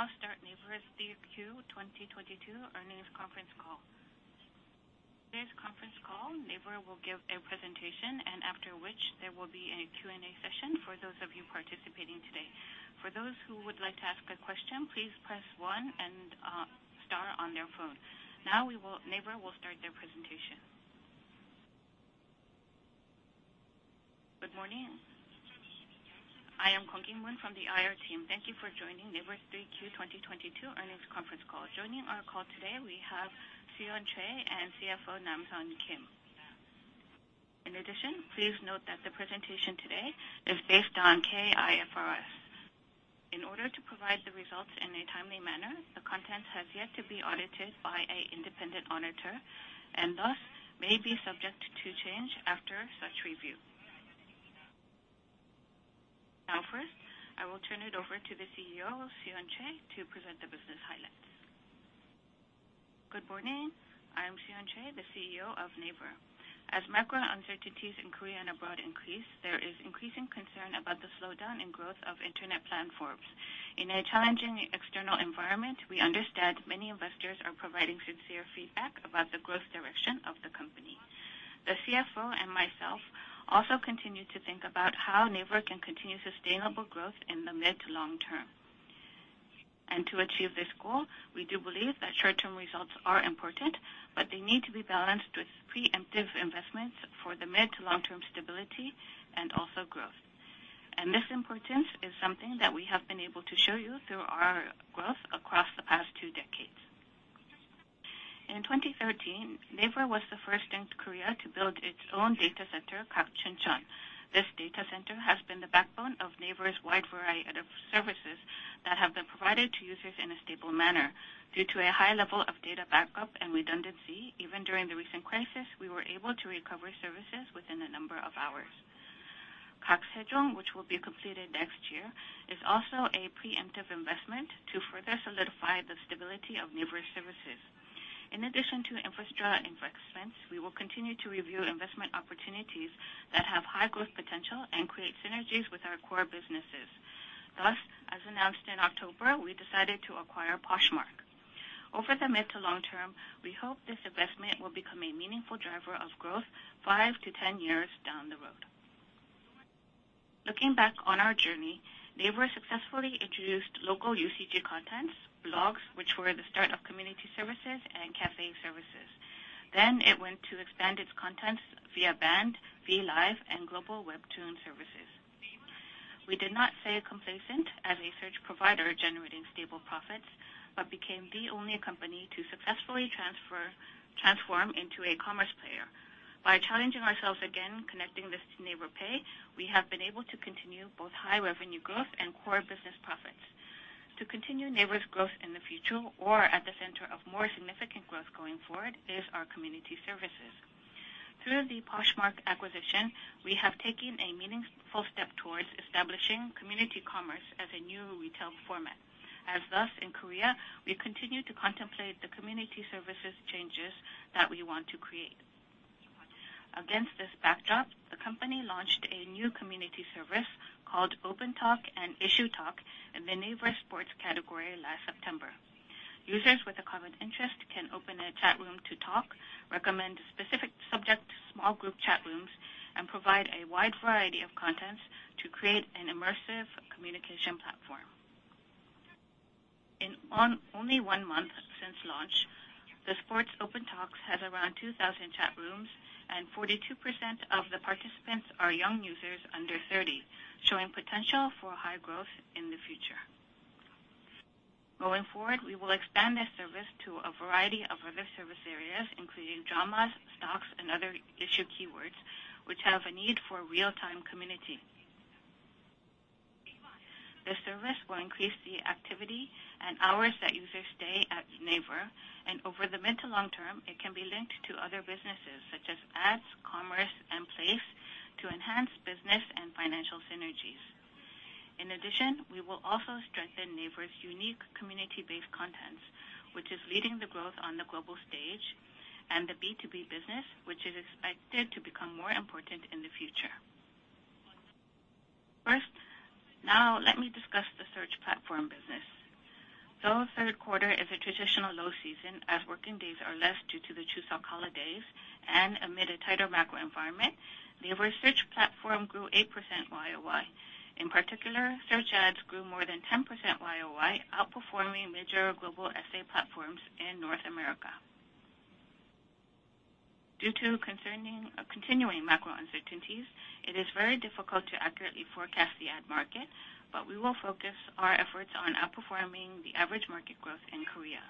We will now start NAVER's 3Q 2022 Earnings Conference Call. Today's conference call, NAVER will give a presentation, and after which there will be a Q&A session for those of you participating today. For those who would like to ask a question, please press one and Star on your phone. NAVER will start their presentation. Good morning. I am Kwon Ki-moon from the IR team. Thank you for joining NAVER's 3Q 2022 earnings conference call. Joining our call today, we have Choi Soo-yeon and CFO Kim Nam-sun. In addition, please note that the presentation today is based on K-IFRS. In order to provide the results in a timely manner, the content has yet to be audited by an independent auditor and, thus, may be subject to change after such review. Now, first, I will turn it over to the CEO, Choi Soo-yeon, to present the business highlights. Good morning. I am Choi Soo-yeon, the CEO of NAVER. As macro uncertainties in Korea and abroad increase, there is increasing concern about the slowdown in growth of internet platforms. In a challenging external environment, we understand many investors are providing sincere feedback about the growth direction of the company. The CFO and myself also continue to think about how NAVER can continue sustainable growth in the mid to long term. To achieve this goal, we do believe that short-term results are important, but they need to be balanced with preemptive investments for the mid to long-term stability and also growth. This importance is something that we have been able to show you through our growth across the past two decades. In 2013, NAVER was the first in Korea to build its own data center, GAK Chuncheon. This data center has been the backbone of NAVER's wide variety of services that have been provided to users in a stable manner. Due to a high level of data backup and redundancy, even during the recent crisis, we were able to recover services within a number of hours. GAK Sejong, which will be completed next year, is also a preemptive investment to further solidify the stability of NAVER services. In addition to infrastructure investments, we will continue to review investment opportunities that have high growth potential and create synergies with our core businesses. Thus, as announced in October, we decided to acquire Poshmark. Over the mid- to long-term, we hope this investment will become a meaningful driver of growth five to 10 years down the road. Looking back on our journey, NAVER successfully introduced local UGC contents, blogs, which were the start of community services, and cafe services. It went to expand its contents via BAND, V Live, and global Webtoon services. We did not stay complacent as a search provider generating stable profits, but became the only company to successfully transform into an e-commerce player. By challenging ourselves again, connecting this to NAVER Pay, we have been able to continue both high revenue growth and core business profits. To continue NAVER's growth in the future or at the center of more significant growth going forward is our community services. Through the Poshmark acquisition, we have taken a meaningful step towards establishing community commerce as a new retail format, and thus in Korea, we continue to contemplate the community services changes that we want to create. Against this backdrop, the company launched a new community service called Open Talk and Issue Talk in the NAVER sports category last September. Users with a common interest can open a chat room to talk, recommend specific subject small group chat rooms, and provide a wide variety of contents to create an immersive communication platform. In only one month since launch, the sports Open Talks has around 2,000 chat rooms, and 42% of the participants are young users under 30, showing potential for high growth in the future. Going forward, we will expand this service to a variety of other service areas, including dramas, stocks, and other issue keywords, which have a need for real-time community. The service will increase the activity and hours that users stay at NAVER, and over the mid to long term, it can be linked to other businesses such as ads, commerce, and place to enhance business and financial synergies. In addition, we will also strengthen NAVER's unique community-based contents, which is leading the growth on the global stage, and the B2B business, which is expected to become more important in the future. First, now let me discuss the search platform business. Though third quarter is a traditional low season as working days are less due to the Chuseok holidays and amid a tighter macro environment, NAVER search platform grew 8% YOY. In particular, search ads grew more than 10% YOY, outperforming major global search platforms in North America. Due to concerning, continuing macro uncertainties, it is very difficult to accurately forecast the ad market, but we will focus our efforts on outperforming the average market growth in Korea.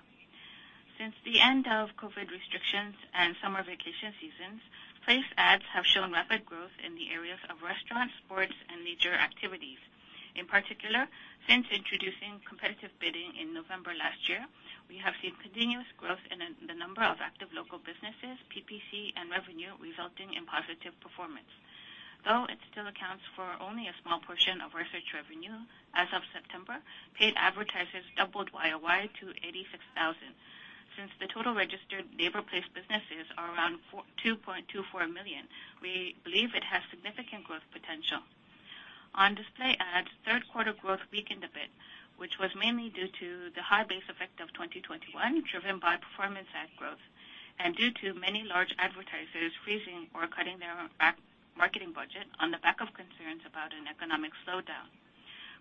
Since the end of COVID restrictions and summer vacation seasons, place ads have shown rapid growth in the areas of restaurants, sports, and leisure activities. In particular, since introducing competitive bidding in November last year, we have seen continuous growth in the number of active local businesses, PPC, and revenue resulting in positive performance. Though it still accounts for only a small portion of our search revenue as of September, paid advertisers to 86,000. Since the total registered NAVER Place businesses are around 2.24 million, we believe it has significant growth potential. On display ads, third quarter growth weakened a bit, which was mainly due to the high base effect of 2021, driven by performance ad growth and due to many large advertisers freezing or cutting their marketing budget on the back of concerns about an economic slowdown.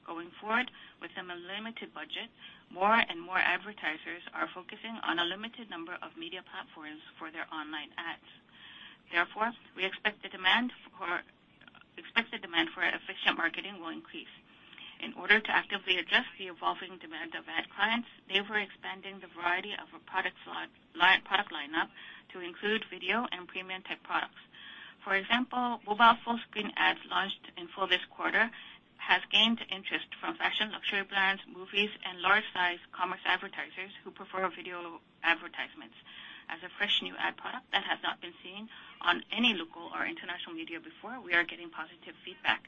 Going forward, with some unlimited budget, more and more advertisers are focusing on a limited number of media platforms for their online ads. Therefore, we expect the demand for efficient marketing will increase. In order to actively adjust the evolving demand of ad clients, they were expanding the variety of a product lineup to include video and premium tech products. For example, mobile full screen ads launched in full this quarter has gained interest from fashion, luxury brands, movies, and large size commerce advertisers who prefer video advertisements. As a fresh new ad product that has not been seen on any local or international media before, we are getting positive feedback.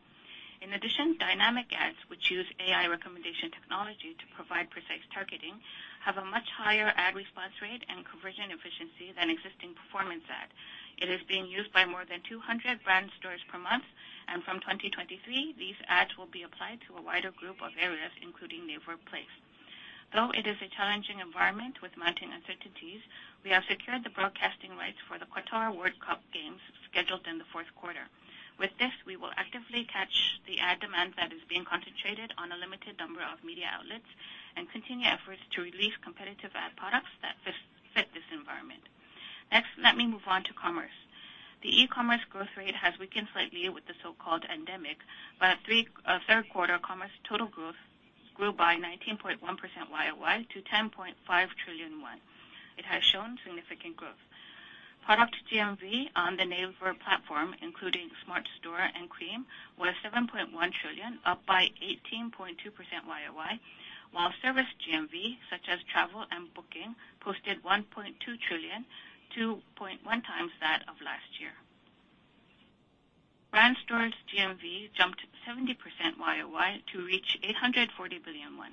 In addition, dynamic ads, which use AI recommendation technology to provide precise targeting, have a much higher ad response rate and conversion efficiency than existing performance ads. It is being used by more than 200 Brand Stores per month, and from 2023, these ads will be applied to a wider group of areas, including NAVER Place. Though it is a challenging environment with mounting uncertainties, we have secured the broadcasting rights for the Qatar World Cup games scheduled in the fourth quarter. With this, we will actively catch the ad demand that is being concentrated on a limited number of media outlets and continue efforts to release competitive ad products that fit this environment. Next, let me move on to commerce. The e-commerce growth rate has weakened slightly with the so-called endemic, but at third quarter, commerce total growth grew by 19.1% Y-O-Y to 10.5 trillion won. It has shown significant growth. Product GMV on the NAVER platform, including Smart Store and KREAM, was 7.1 trillion, up by 18.2% Y-O-Y, while service GMV, such as travel and booking, posted 1.2 trillion, 2.1x that of last year. Brand Stores GMV jumped 70% Y-O-Y to reach 840 billion won,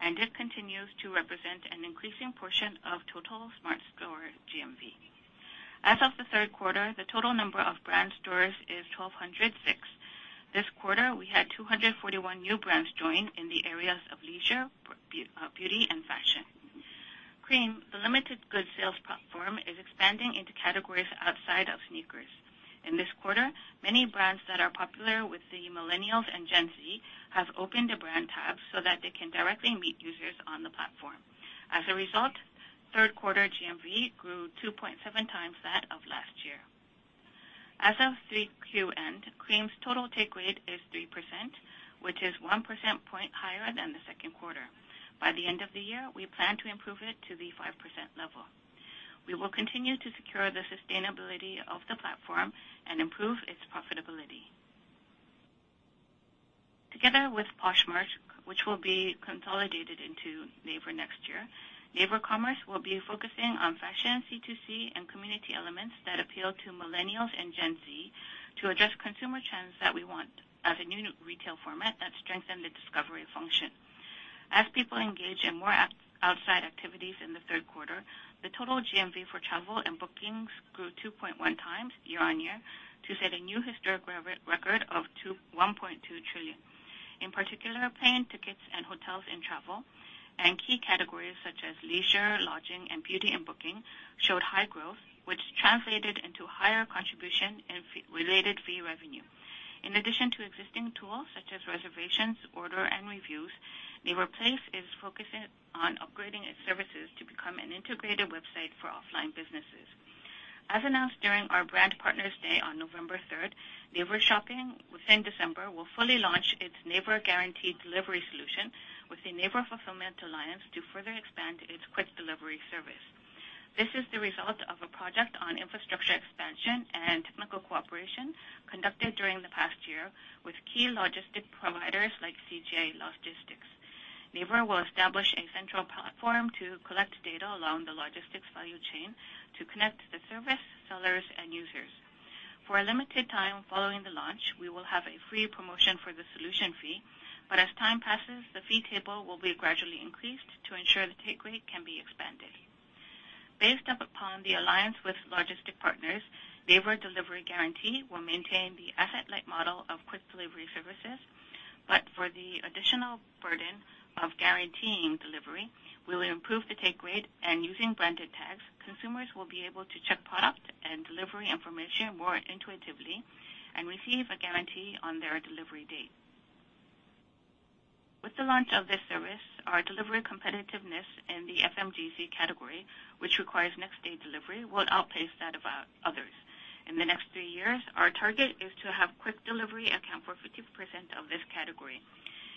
and it continues to represent an increasing portion of total Smart Store GMV. As of the third quarter, the total number of Brand Stores is 1,206. This quarter, we had 241 new brands join in the areas of leisure, beauty and fashion. KREAM, the limited goods sales platform, is expanding into categories outside of sneakers. In this quarter, many brands that are popular with the Millennials and Gen Z have opened a brand tab so that they can directly meet users on the platform. As a result, third quarter GMV grew 2.7x that of last year. As of 3Q end, KREAM's total take rate is 3%, which is 1 percentage point higher than the second quarter. By the end of the year, we plan to improve it to the 5% level. We will continue to secure the sustainability of the platform and improve its profitability. Together with Poshmark, which will be consolidated into NAVER next year, NAVER Commerce will be focusing on fashion, C2C, and community elements that appeal to Millennials and Gen Z to address consumer trends that we want as a new retail format that strengthen the discovery function. As people engage in more outside activities in the third quarter, the total GMV for travel and bookings grew 2.1x year-on-year to set a new historic record of 1.2 trillion. In particular, plane tickets and hotels and travel and key categories such as leisure, lodging, and beauty and booking showed high growth, which translated into higher contribution in related fee revenue. In addition to existing tools such as reservations, order, and reviews, NAVER Place is focusing on upgrading its services to become an integrated website for offline businesses. As announced during our NAVER Partner's Day on November third, NAVER Shopping within December will fully launch its NAVER Guaranteed Delivery solution with the NAVER Fulfillment Alliance to further expand its quick delivery service. This is the result of a project on infrastructure expansion and technical cooperation conducted during the past year with key logistic providers like CJ Logistics. NAVER will establish a central platform to collect data along the logistics value chain to connect the service, sellers, and users. For a limited time following the launch, we will have a free promotion for the solution fee, but as time passes, the fee table will be gradually increased to ensure the take rate can be expanded. Based upon the alliance with logistic partners, NAVER Guaranteed Delivery will maintain the asset-light model of quick delivery services. For the additional burden of guaranteeing delivery, we will improve the take rate, and using branded tags, consumers will be able to check product and delivery information more intuitively and receive a guarantee on their delivery date. With the launch of this service, our delivery competitiveness in the FMCG category, which requires next day delivery, will outpace that of others. In the next three years, our target is to have quick delivery account for 50% of this category.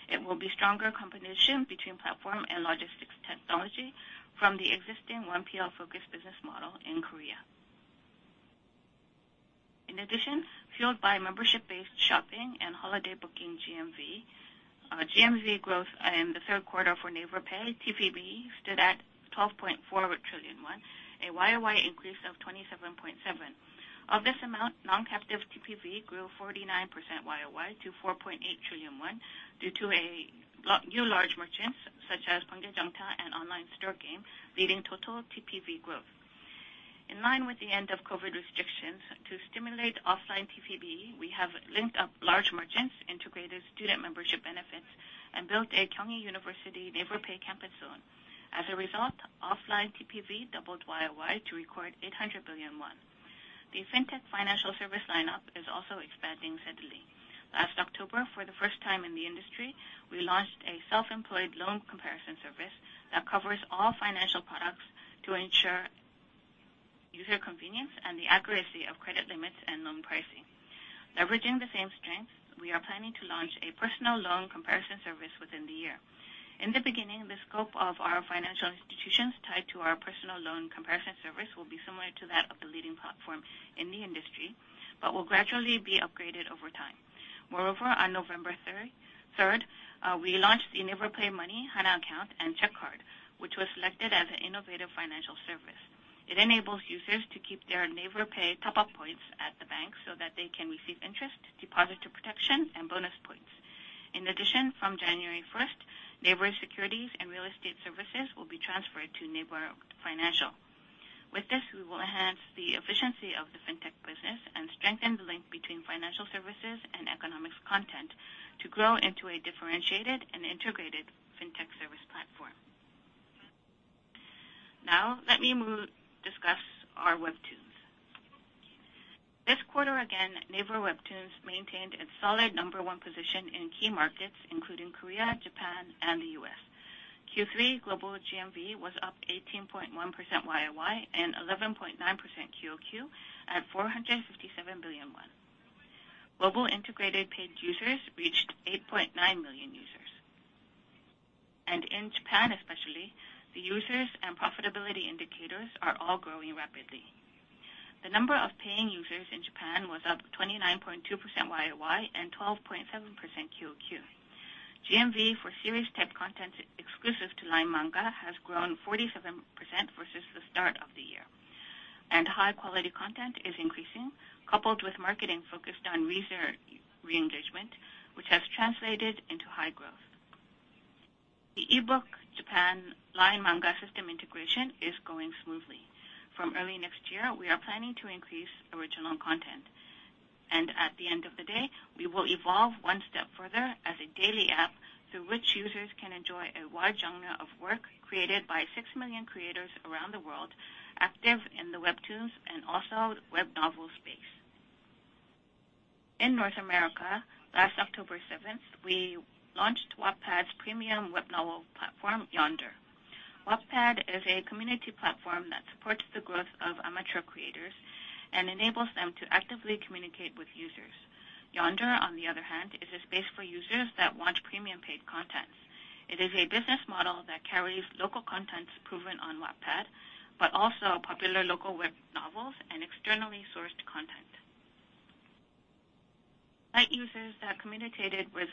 It will be stronger competition between platform and logistics technology from the existing 1PL-focused business model in Korea. In addition, fueled by membership-based shopping and holiday booking GMV growth in the third quarter for NAVER Pay TPV stood at 12.4 trillion won, a year-over-year increase of 27.7%. Of this amount, non-captive TPV grew 49% YOY to 4.8 trillion won due to new large merchants such as LINE, in line with the end of COVID restrictions to stimulate offline TPV. We have linked up large merchants, integrated student membership benefits, and built a Kyung Hee University NAVER Pay campus zone. As a result, offline TPV doubled YOY to record 800 billion won. The fintech financial service lineup is also expanding steadily. Last October, for the first time in the industry, we launched a self-employed loan comparison service that covers all financial products to ensure user convenience and the accuracy of credit limits and loan pricing. Leveraging the same strengths, we are planning to launch a personal loan comparison service within the year. In the beginning, the scope of our financial institutions tied to our personal loan comparison service will be similar to that of the leading platform in the industry, but will gradually be upgraded over time. Moreover, on November third, we launched the NAVER Pay Money Hana Account and check card, which was selected as an innovative financial service. It enables users to keep their NAVER Pay top up points at the bank so that they can receive interest, deposit protection and bonus points. In addition, from January first, NAVER Securities and real estate services will be transferred to NAVER Financial. With this, we will enhance the efficiency of the Fintech business and strengthen the link between financial services and economics content to grow into a differentiated and integrated Fintech service platform. Now let me discuss our webtoons. This quarter again, NAVER Webtoon maintained its solid number one position in key markets including Korea, Japan and the US. Q3 global GMV was up 18.1% YOY and 11.9% QOQ at 457 billion won. Global integrated paid users reached 8.9 million users. In Japan especially, the users and profitability indicators are all growing rapidly. The number of paying users in Japan was up 29.2% YOY and 12.7% QOQ. GMV for series type content exclusive to Line Manga has grown 47% versus the start of the year, and high quality content is increasing, coupled with marketing focused on re-engagement, which has translated into high growth. The ebookjapan Line Manga system integration is going smoothly. From early next year, we are planning to increase original content, and at the end of the day, we will evolve one step further as a daily app through which users can enjoy a wide genre of work created by 6 million creators around the world, active in the webtoons and also web novel space. In North America, last October 7, we launched Wattpad's premium web novel platform, Yonder. Wattpad is a community platform that supports the growth of amateur creators and enables them to actively communicate with users. Yonder, on the other hand, is a space for users that want premium paid content. It is a business model that carries local content proven on Wattpad, but also popular local web novels and externally sourced content. Light users that communicated with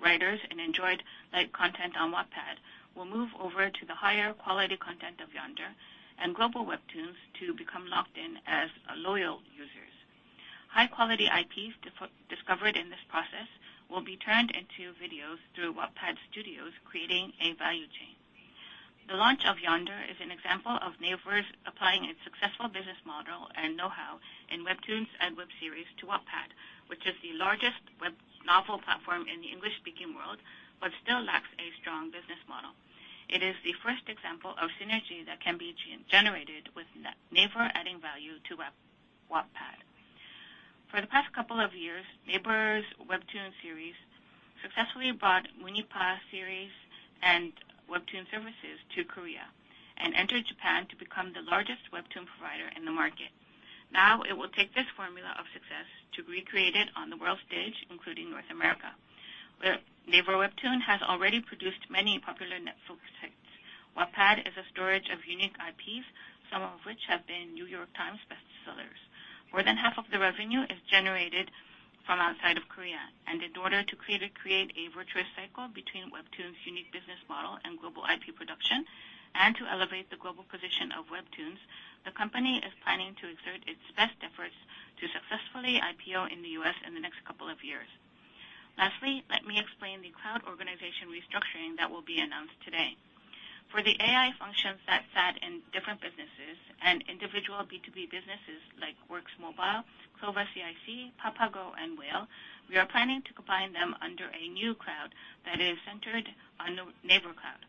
writers and enjoyed light content on Wattpad will move over to the higher quality content of Yonder and Global Webtoons to become locked in as loyal users. High-quality IPs discovered in this process will be turned into videos through Wattpad Studios, creating a value chain. The launch of Yonder is an example of NAVER applying its successful business model and know-how in webtoons and web series to Wattpad, which is the largest web novel platform in the English-speaking world, but still lacks a strong business model. It is the first example of synergy that can be generated with NAVER adding value to Wattpad. For the past couple of years, NAVER's webtoon series successfully brought Munpia series and webtoon services to Korea and entered Japan to become the largest webtoon provider in the market. Now it will take this formula of success to recreate it on the world stage, including North America, where NAVER Webtoon has already produced many popular Netflix hits. Wattpad is a storage of unique IPs, some of which have been New York Times bestsellers. More than half of the revenue is generated from outside of Korea, and in order to create a virtuous cycle between Webtoon's unique business model and global IP production, and to elevate the global position of Webtoons, the company is planning to exert its best efforts to successfully IPO in the U.S. in the next couple of years. Lastly, let me explain the cloud organization restructuring that will be announced today. For the AI functions that sat in different businesses and individual B2B businesses like Works Mobile, Clova CIC, Papago and Whale, we are planning to combine them under a new cloud that is centered on the NAVER Cloud.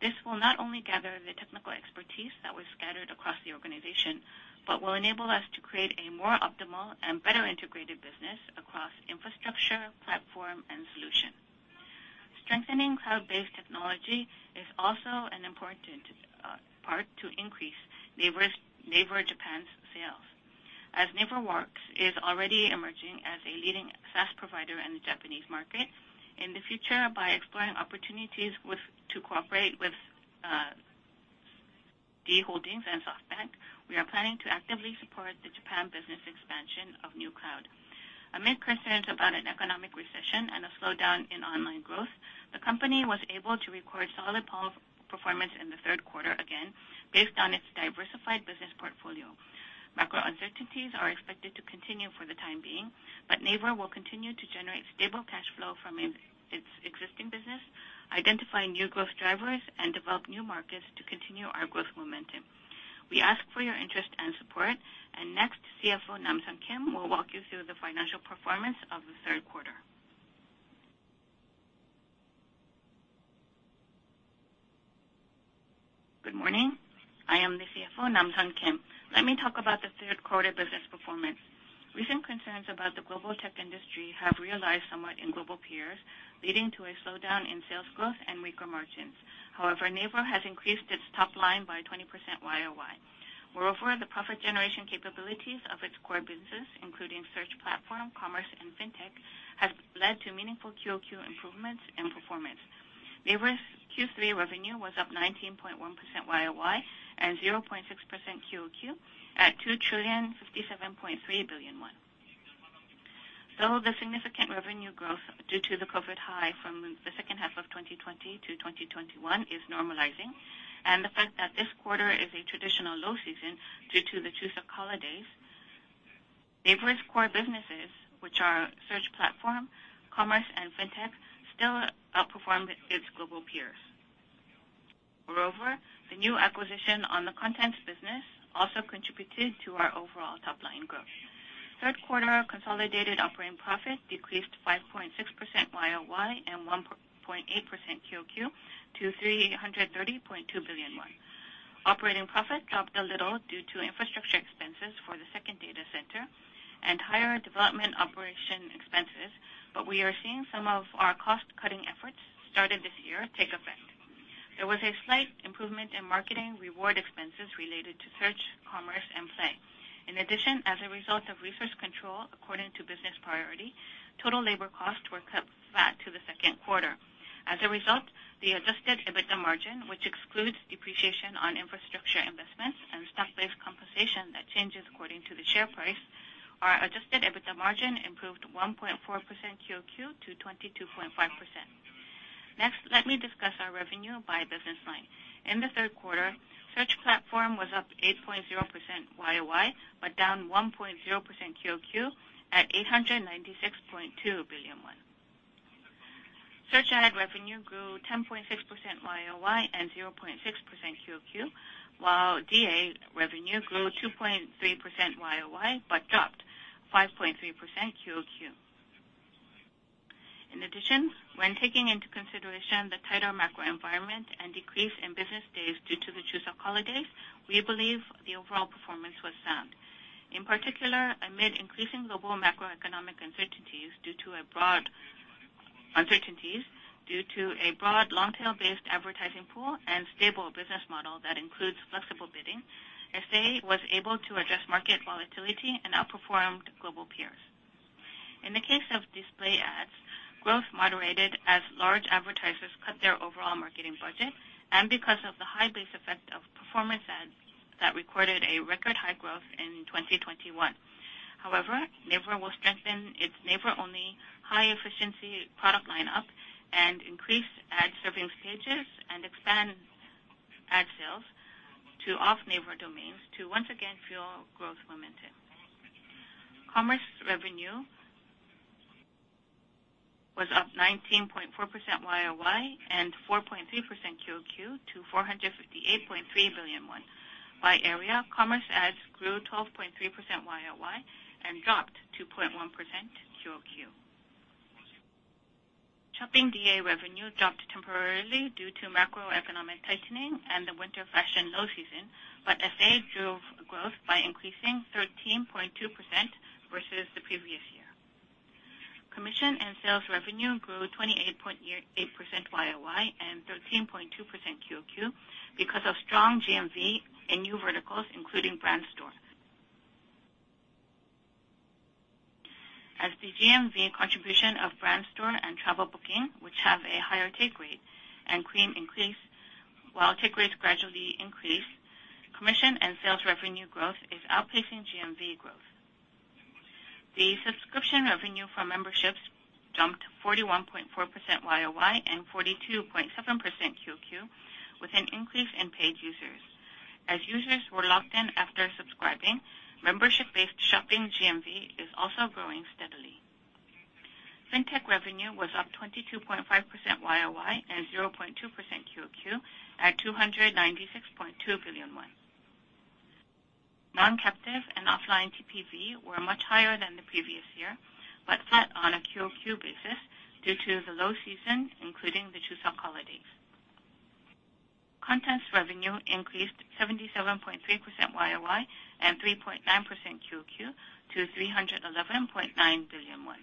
This will not only gather the technical expertise that was scattered across the organization, but will enable us to create a more optimal and better integrated business across infrastructure, platform and solution. Strengthening cloud-based technology is also an important part to increase NAVER's, NAVER Japan's sales. As NAVER Works is already emerging as a leading SaaS provider in the Japanese market, in the future, by exploring opportunities to cooperate with Z Holdings and SoftBank, we are planning to actively support the Japan business expansion of NAVER Cloud. Amid concerns about an economic recession and a slowdown in online growth, the company was able to record solid performance in the third quarter again based on its diversified business portfolio. Macro uncertainties are expected to continue for the time being, but NAVER will continue to generate stable cash flow from its existing business, identify new growth drivers, and develop new markets to continue our growth momentum. We ask for your interest and support, and next, CFO Nam-sun Kim will walk you through the financial performance of the third quarter. Good morning. I am the CFO, Nam-sun Kim. Let me talk about the third quarter business performance. Recent concerns about the global tech industry have realized somewhat in global peers, leading to a slowdown in sales growth and weaker margins. However, NAVER has increased its top line by 20% year-over-year. Moreover, the profit generation capabilities of its core business, including search platform, commerce, and fintech, has led to meaningful quarter-over-quarter improvements and performance. NAVER's Q3 revenue was up 19.1% year-over-year and 0.6% quarter-over-quarter at 2,057.3 billion won. Though the significant revenue growth due to the COVID high from the second half of 2020 to 2021 is normalizing, and the fact that this quarter is a traditional low season due to the Chuseok holidays, NAVER's core businesses, which are search platform, commerce, and fintech, still outperformed its global peers. Moreover, the new acquisition on the content business also contributed to our overall top-line growth. Third quarter consolidated operating profit decreased 5.6% year-over-year and 1.8% quarter-over-quarter to 330.2 billion won. Operating profit dropped a little due to infrastructure expenses for the second data center and higher development operation expenses, but we are seeing some of our cost-cutting efforts started this year take effect. There was a slight improvement in marketing reward expenses related to search, commerce, and play. In addition, as a result of resource control according to business priority, total labor costs were cut flat to the second quarter. As a result, the adjusted EBITDA margin, which excludes depreciation on infrastructure investments and stock-based compensation that changes according to the share price, our adjusted EBITDA margin improved 1.4% quarter-over-quarter to 22.5%. Next, let me discuss our revenue by business line. In the third quarter, search platform was up 8.0% year-over-year but down 1.0% quarter-over-quarter at 896.2 billion won. Search ad revenue grew 10.6% year-over-year and 0.6% quarter-over-quarter, while DA revenue grew 2.3% year-over-year but dropped 5.3% quarter-over-quarter. In addition, when taking into consideration the tighter macro environment and decrease in business days due to the Chuseok holidays, we believe the overall performance was sound. In particular, amid increasing global macroeconomic uncertainties due to a broad long-tail based advertising pool and stable business model that includes flexible bidding, SA was able to address market volatility and outperformed global peers. In the case of display ads, growth moderated as large advertisers cut their overall marketing budget and because of the high base effect of performance ads that recorded a record high growth in 2021. However, NAVER will strengthen its NAVER-only high efficiency product line up and increase ad serving pages and expand ad sales to off-NAVER domains to once again fuel growth momentum. Commerce revenue was up 19.4% Y-o-Y and 4.3% Q-o-Q to 458.3 billion won. By area, commerce ads grew 12.3% Y-o-Y and dropped 2.1% Q-o-Q. Shopping DA revenue dropped temporarily due to macroeconomic tightening and the winter fashion low season, but SA drove growth by increasing 13.2% versus the previous year. Commission and sales revenue grew 28.8% year-over-year and 13.2% quarter-over-quarter because of strong GMV in new verticals, including Brand Stores. As the GMV contribution of Brand Store and travel booking, which have a higher take rate and KREAM increase while take rates gradually increase, commission and sales revenue growth is outpacing GMV growth. The subscription revenue for memberships jumped 41.4% year-over-year and 42.7% quarter-over-quarter with an increase in paid users. As users were locked in after subscribing, membership-based shopping GMV is also growing steadily. Fintech revenue was up 22.5% year-over-year and 0.2% quarter-over-quarter at 296.2 billion won. Non-captive and offline TPV were much higher than the previous year, but flat on a quarter-over-quarter basis due to the low season, including the Chuseok holidays. Contents revenue increased 77.3% year-over-year and 3.9% quarter-over-quarter to 311.9 billion won.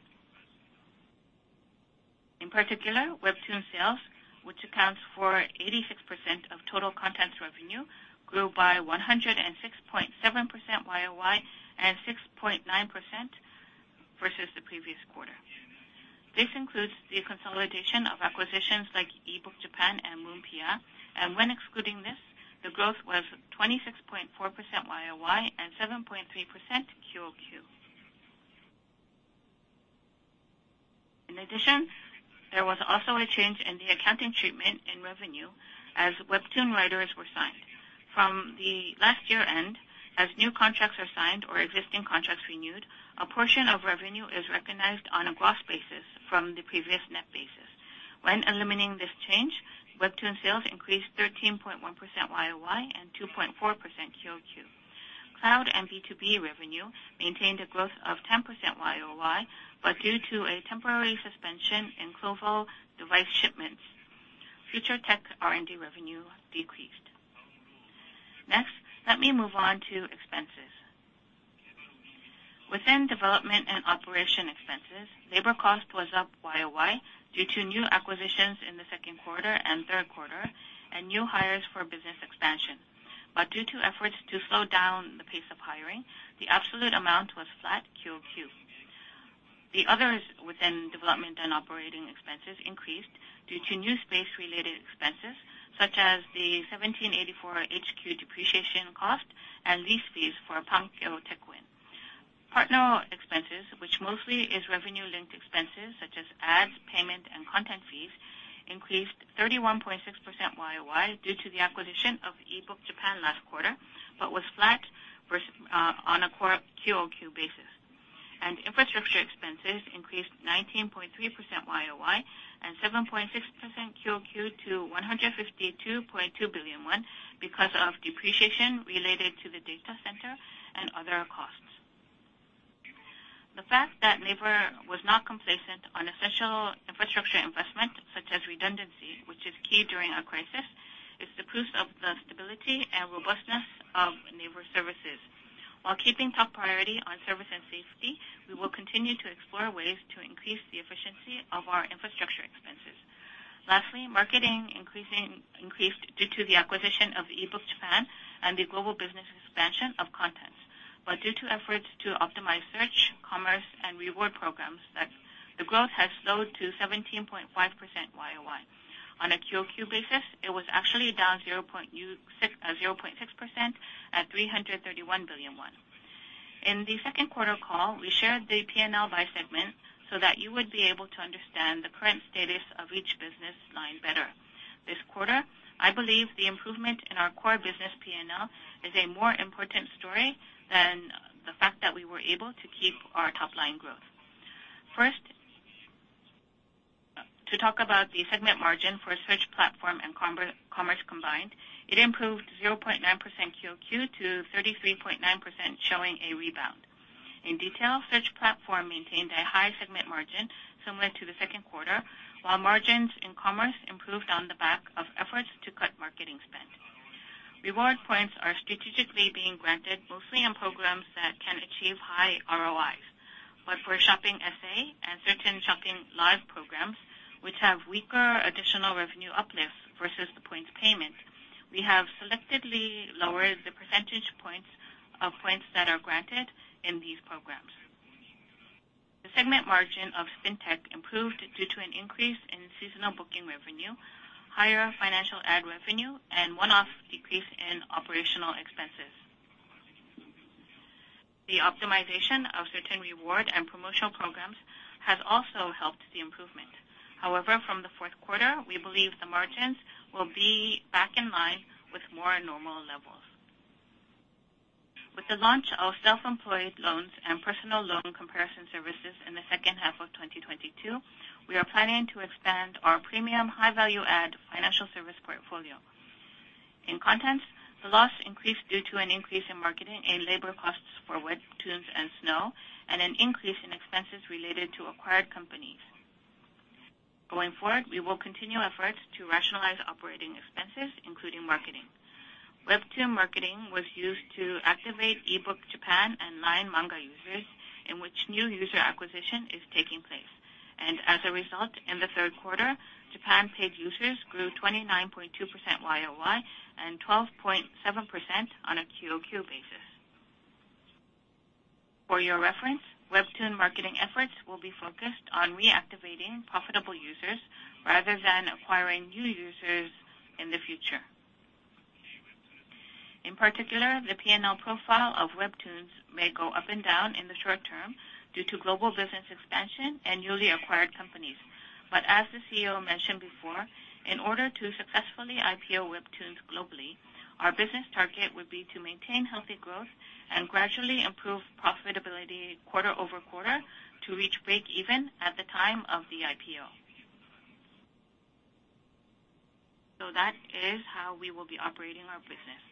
In particular, Webtoon sales, which accounts for 86% of total contents revenue, grew by 106.7% year-over-year and 6.9% versus the previous quarter. This includes the consolidation of acquisitions like ebookjapan and Munpia. When excluding this, the growth was 26.4% year-over-year and 7.3% quarter-over-quarter. In addition, there was also a change in the accounting treatment in revenue as Webtoon writers were signed. From the last year-end, as new contracts are signed or existing contracts renewed, a portion of revenue is recognized on a gross basis from the previous net basis. When eliminating this change, Webtoon sales increased 13.1% year-over-year and 2.4% quarter-over-quarter. Cloud and B2B revenue maintained a growth of 10% year-over-year, but due to a temporary suspension in Clova device shipments, future tech R&D revenue decreased. Next, let me move on to expenses. Within development and operating expenses, labor cost was up year-over-year due to new acquisitions in the second quarter and third quarter and new hires for business expansion. Due to efforts to slow down the pace of hiring, the absolute amount was flat quarter-over-quarter. The others within development and operating expenses increased due to new space-related expenses such as the 1784 HQ depreciation cost and lease fees for Pangyo Tech One. Partner expenses, which mostly is revenue linked expenses such as ads, payment, and content fees, increased 31.6% year-over-year due to the acquisition of ebookjapan last quarter, but was flat on a core quarter-over-quarter basis. Infrastructure expenses increased 19.3% year-over-year and 7.6% quarter-over-quarter to 152.2 billion won because of depreciation related to the data center and other costs. The fact that NAVER was not complacent on essential infrastructure investment such as redundancy, which is key during a crisis, is the proof of the stability and robustness of NAVER services. While keeping top priority on service and safety, we will continue to explore ways to increase the efficiency of our infrastructure expenses. Lastly, marketing increased due to the acquisition of ebookjapan and the global business expansion of contents. Due to efforts to optimize search, commerce and reward programs that the growth has slowed to 17.5% year-over-year. On a quarter-over-quarter basis, it was actually down 0.6% at 331 billion won. In the second quarter call, we shared the P&L by segment so that you would be able to understand the current status of each business line better. This quarter, I believe the improvement in our core business P&L is a more important story than the fact that we were able to keep our top line growth. First, to talk about the segment margin for search platform and commerce combined, it improved 0.9% Q-o-Q to 33.9%, showing a rebound. In detail, search platform maintained a high segment margin similar to the second quarter, while margins in commerce improved on the back of efforts to cut marketing spend. Reward points are strategically being granted mostly on programs that can achieve high ROIs. For Shopping SaaS and certain Shopping Live programs which have weaker additional revenue uplifts versus the points payment, we have selectively lowered the percentage points of points that are granted in these programs. The segment margin of Fintech improved due to an increase in seasonal booking revenue, higher financial ad revenue, and one-off decrease in operational expenses. The optimization of certain reward and promotional programs has also helped the improvement. However, from the fourth quarter, we believe the margins will be back in line with more normal levels. With the launch of self-employed loans and personal loan comparison services in the second half of 2022, we are planning to expand our premium high-value-add financial service portfolio. In Contents, the loss increased due to an increase in marketing and labor costs for Webtoons and Snow, and an increase in expenses related to acquired companies. Going forward, we will continue efforts to rationalize operating expenses, including marketing. Webtoon marketing was used to activate ebookjapan and Line Manga users in which new user acquisition is taking place. As a result, in the third quarter, Japan paid users grew 29.2% year-over-year and 12.7% on a quarter-over-quarter basis. For your reference, Webtoon marketing efforts will be focused on reactivating profitable users rather than acquiring new users in the future. In particular, the P&L profile of Webtoon may go up and down in the short term due to global business expansion and newly acquired companies. As the CEO mentioned before, in order to successfully IPO Webtoon globally, our business target would be to maintain healthy growth and gradually improve profitability quarter over quarter to reach break even at the time of the IPO. That is how we will be operating our business.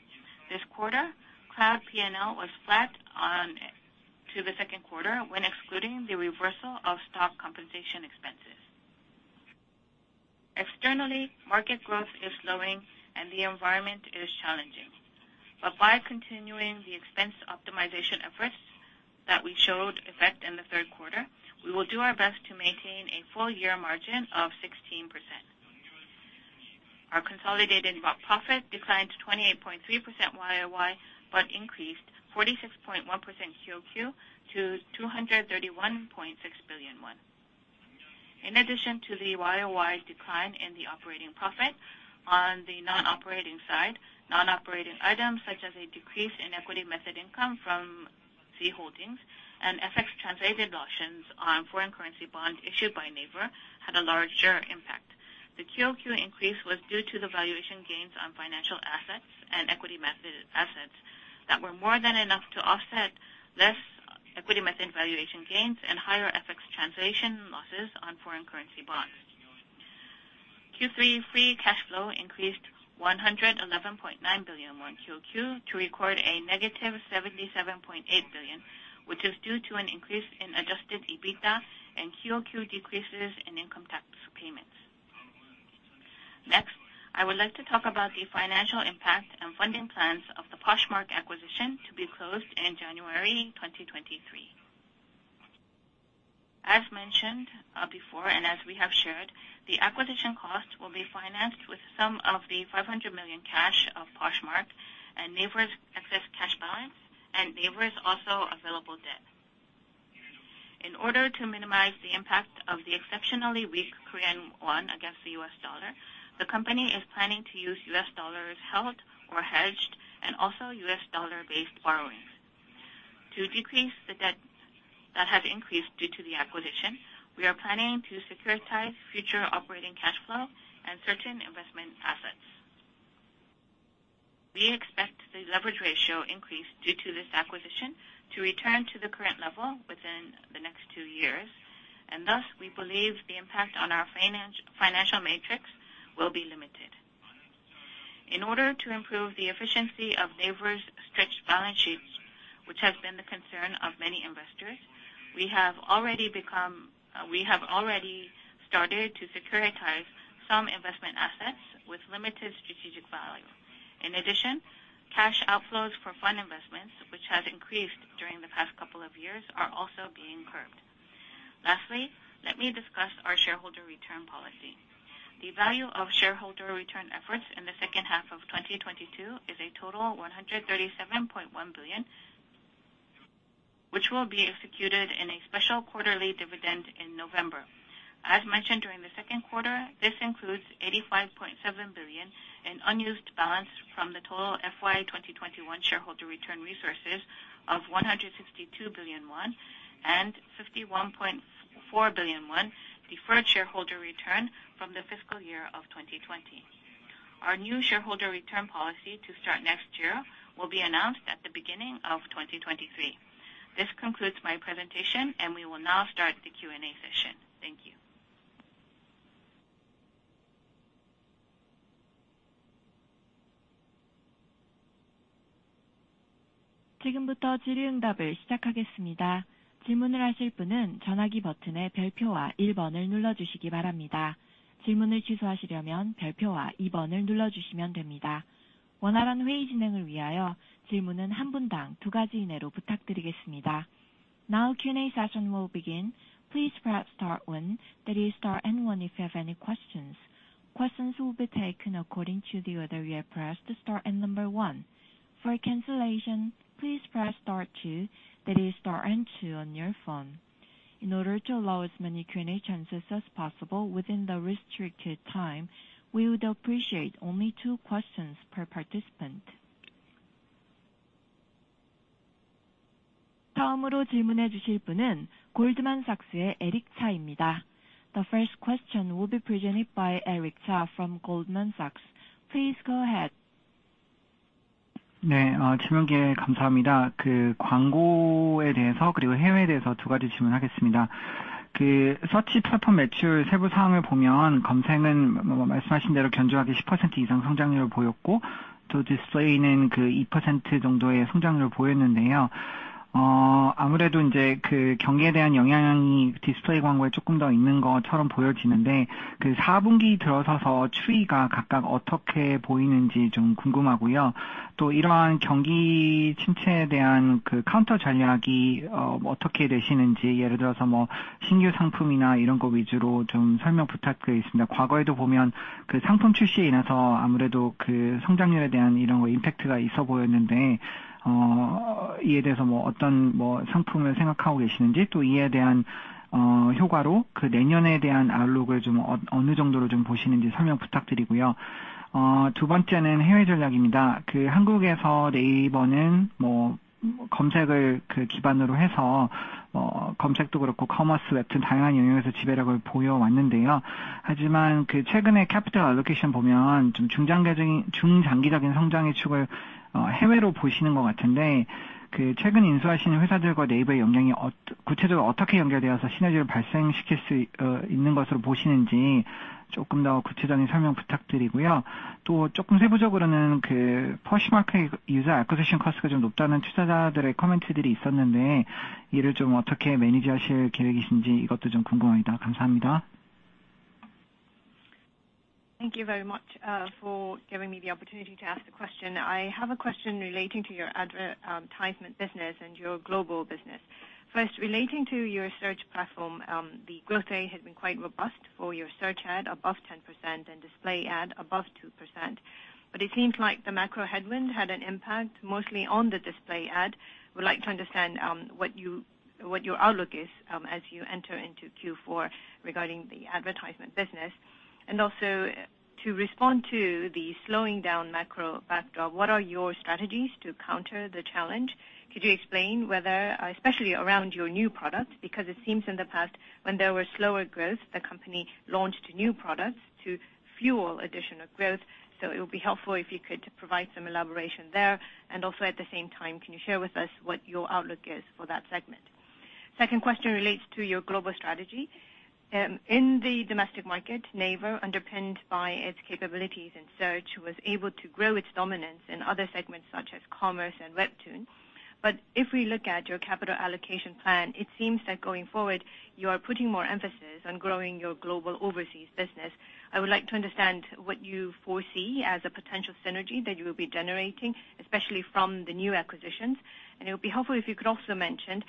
This quarter, cloud P&L was flat QoQ to the second quarter when excluding the reversal of stock compensation expenses. Externally, market growth is slowing and the environment is challenging. By continuing the expense optimization efforts that we showed effect in the third quarter, we will do our best to maintain a full-year margin of 16%. Consolidated profit declined 28.3% YOY, but increased 46.1% QoQ to 231.6 billion won. In addition to the YOY decline in the operating profit on the non-operating side, non-operating items such as a decrease in equity method income from Z Holdings and FX translated losses on foreign currency bonds issued by NAVER had a larger impact. The QoQ increase was due to the valuation gains on financial assets and equity method assets that were more than enough to offset less equity method valuation gains and higher FX translation losses on foreign currency bonds. Q3 free cash flow increased 111.9 billion won QoQ to record a -77.8 billion, which is due to an increase in adjusted EBITDA and QoQ decreases in income tax payments. Next, I would like to talk about the financial impact and funding plans of the Poshmark acquisition to be closed in January 2023. As mentioned, before, and as we have shared, the acquisition cost will be financed with some of the $500 million cash of Poshmark and NAVER's excess cash balance and NAVER's also available debt. In order to minimize the impact of the exceptionally weak Korean won against the US dollar, the company is planning to use US dollars held or hedged and also US dollar-based borrowings. To decrease the debt that has increased due to the acquisition, we are planning to securitize future operating cash flow and certain investment assets. We expect the leverage ratio increase due to this acquisition to return to the current level within the next two years, and thus we believe the impact on our financial matrix will be limited. In order to improve the efficiency of NAVER's stretched balance sheets, which has been the concern of many investors, we have already started to securitize some investment assets with limited strategic value. In addition, cash outflows for fund investments, which has increased during the past couple of years, are also being curbed. Lastly, let me discuss our shareholder return policy. The value of shareholder return efforts in the second half of 2022 is a total 137.1 billion, which will be executed in a special quarterly dividend in November. As mentioned during the second quarter, this includes 85.7 billion in unused balance from the total FY 2021 shareholder return resources of 162 billion won and 51.4 billion won deferred shareholder return from the fiscal year of 2020. Our new shareholder return policy to start next year will be announced at the beginning of 2023. This concludes my presentation, and we will now start the Q&A session. Thank you. Now Q&A session will begin. Please press star one, that is star and one if you have any questions. Questions will be taken according to the order you have pressed star and number one. For cancellation, please press star two, that is star and two on your phone. In order to allow as many Q&A chances as possible within the restricted time, we would appreciate only two questions per participant. The first question will be presented by Eric Cha from Goldman Sachs. Please go ahead. Thank you very much for giving me the opportunity to ask the question. I have a question relating to your advertisement business and your global business. First, relating to your search platform, the growth rate has been quite robust for your search ad above 10% and display ad above 2%. It seems like the macro headwind had an impact mostly on the display ad. Would like to understand what your outlook is as you enter into Q4 regarding the advertisement business. To respond to the slowing down macro factor, what are your strategies to counter the challenge? Could you explain whether, especially around your new products, because it seems in the past when there were slower growth, the company launched new products to fuel additional growth, so it'll be helpful if you could provide some elaboration there. Also at the same time, can you share with us what your outlook is for that segment? Second question relates to your global strategy. In the domestic market, NAVER, underpinned by its capabilities in search, was able to grow its dominance in other segments such as commerce and Webtoon. If we look at your capital allocation plan, it seems that going forward, you are putting more emphasis on growing your global overseas business. I would like to understand what you foresee as a potential synergy that you will be generating, especially from the new acquisitions. It would be helpful if you could also mention,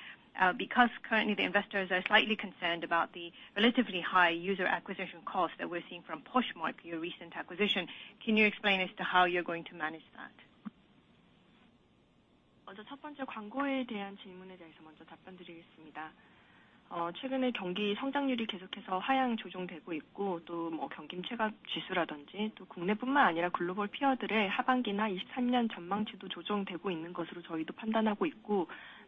because currently the investors are slightly concerned about the relatively high user acquisition costs that we're seeing from Poshmark, your recent acquisition. Can you explain as to how you're going to manage that? Hello.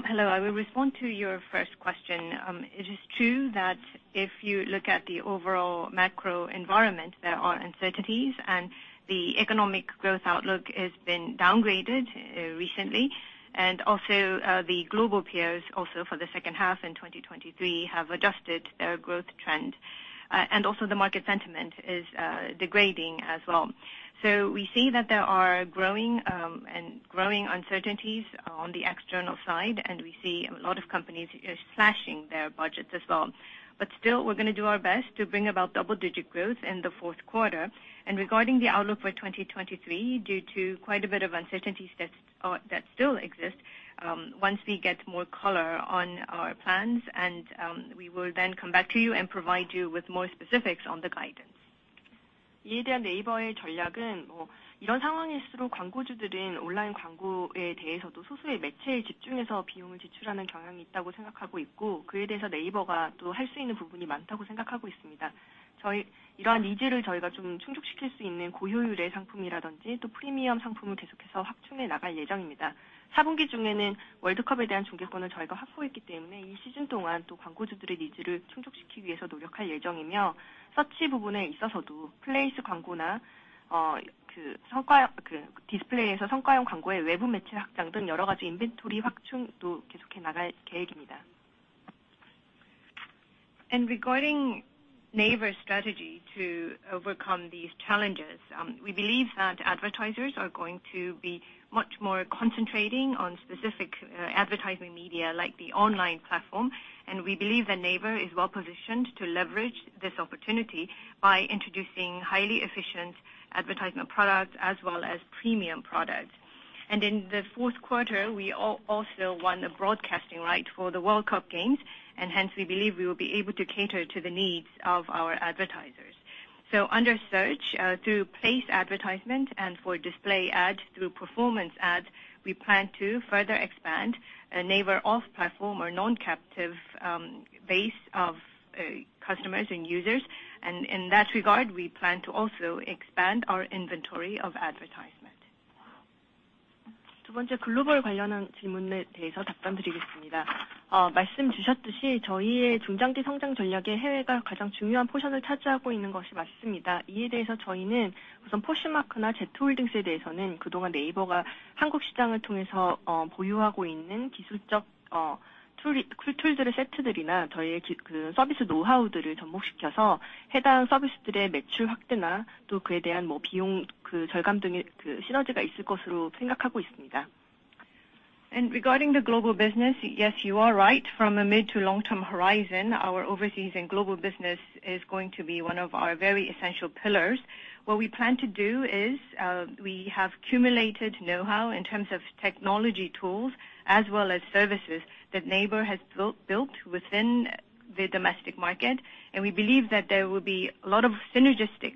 I will respond to your first question. It is true that if you look at the overall macro environment, there are uncertainties, and the economic growth outlook has been downgraded recently. The global peers also for the second half in 2023 have adjusted their growth trend. The market sentiment is degrading as well. We see that there are growing uncertainties on the external side, and we see a lot of companies slashing their budgets as well. Still, we're gonna do our best to bring about double-digit growth in the fourth quarter. Regarding the outlook for 2023, due to quite a bit of uncertainties that still exist, once we get more color on our plans, we will then come back to you and provide you with more specifics on the guidance. Regarding NAVER's strategy to overcome these challenges, we believe that advertisers are going to be much more concentrating on specific advertising media like the online platform, and we believe that NAVER is well-positioned to leverage this opportunity by introducing highly efficient advertisement products as well as premium products. In the fourth quarter, we also won a broadcasting right for the World Cup Games, and hence we believe we will be able to cater to the needs of our advertisers. Under search, through place advertisement and for display ads through performance ads, we plan to further expand a NAVER off platform or non-captive base of customers and users. In that regard, we plan to also expand our inventory of advertisement. Regarding the global business, yes, you are right. From a mid- to long-term horizon, our overseas and global business is going to be one of our very essential pillars. What we plan to do is, we have accumulated know-how in terms of technology tools as well as services that NAVER has built within the domestic market. We believe that there will be a lot of synergistic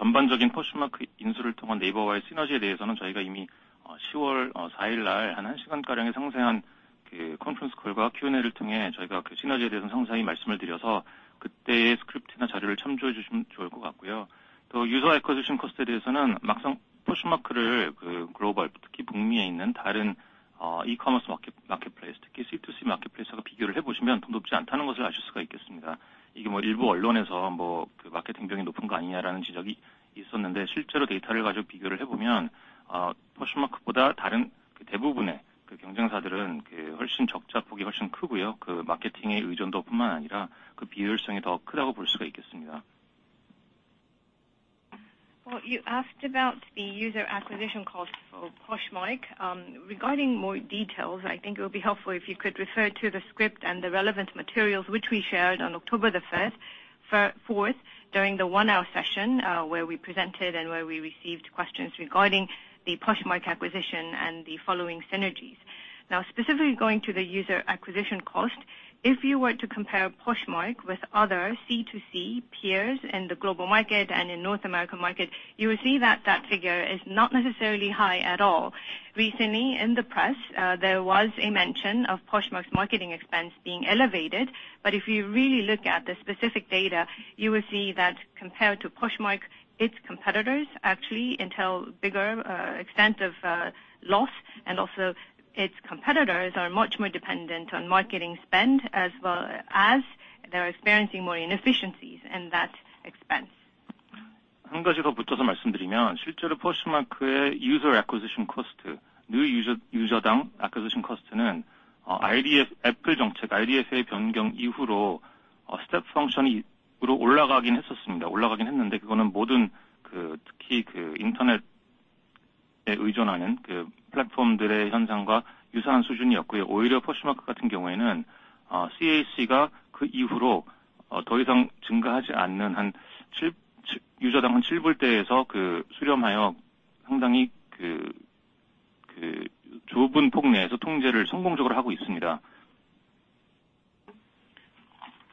opportunities for us to drive top-line revenue growth and bring down costs in terms of cost savings through our acquisitions such as Poshmark and Z Holdings. Well, you asked about the user acquisition cost for Poshmark. Regarding more details, I think it would be helpful if you could refer to the script and the relevant materials which we shared on October the fourth during the 1-hour session, where we presented and where we received questions regarding the Poshmark acquisition and the following synergies. Now, specifically going to the user acquisition cost, if you were to compare Poshmark with other C2C peers in the global market and in North American market, you will see that that figure is not necessarily high at all. Recently in the press, there was a mention of Poshmark's marketing expense being elevated. If you really look at the specific data, you will see that compared to Poshmark, its competitors actually entail bigger extent of loss. Also its competitors are much more dependent on marketing spend, as well as they're experiencing more inefficiencies in that expense.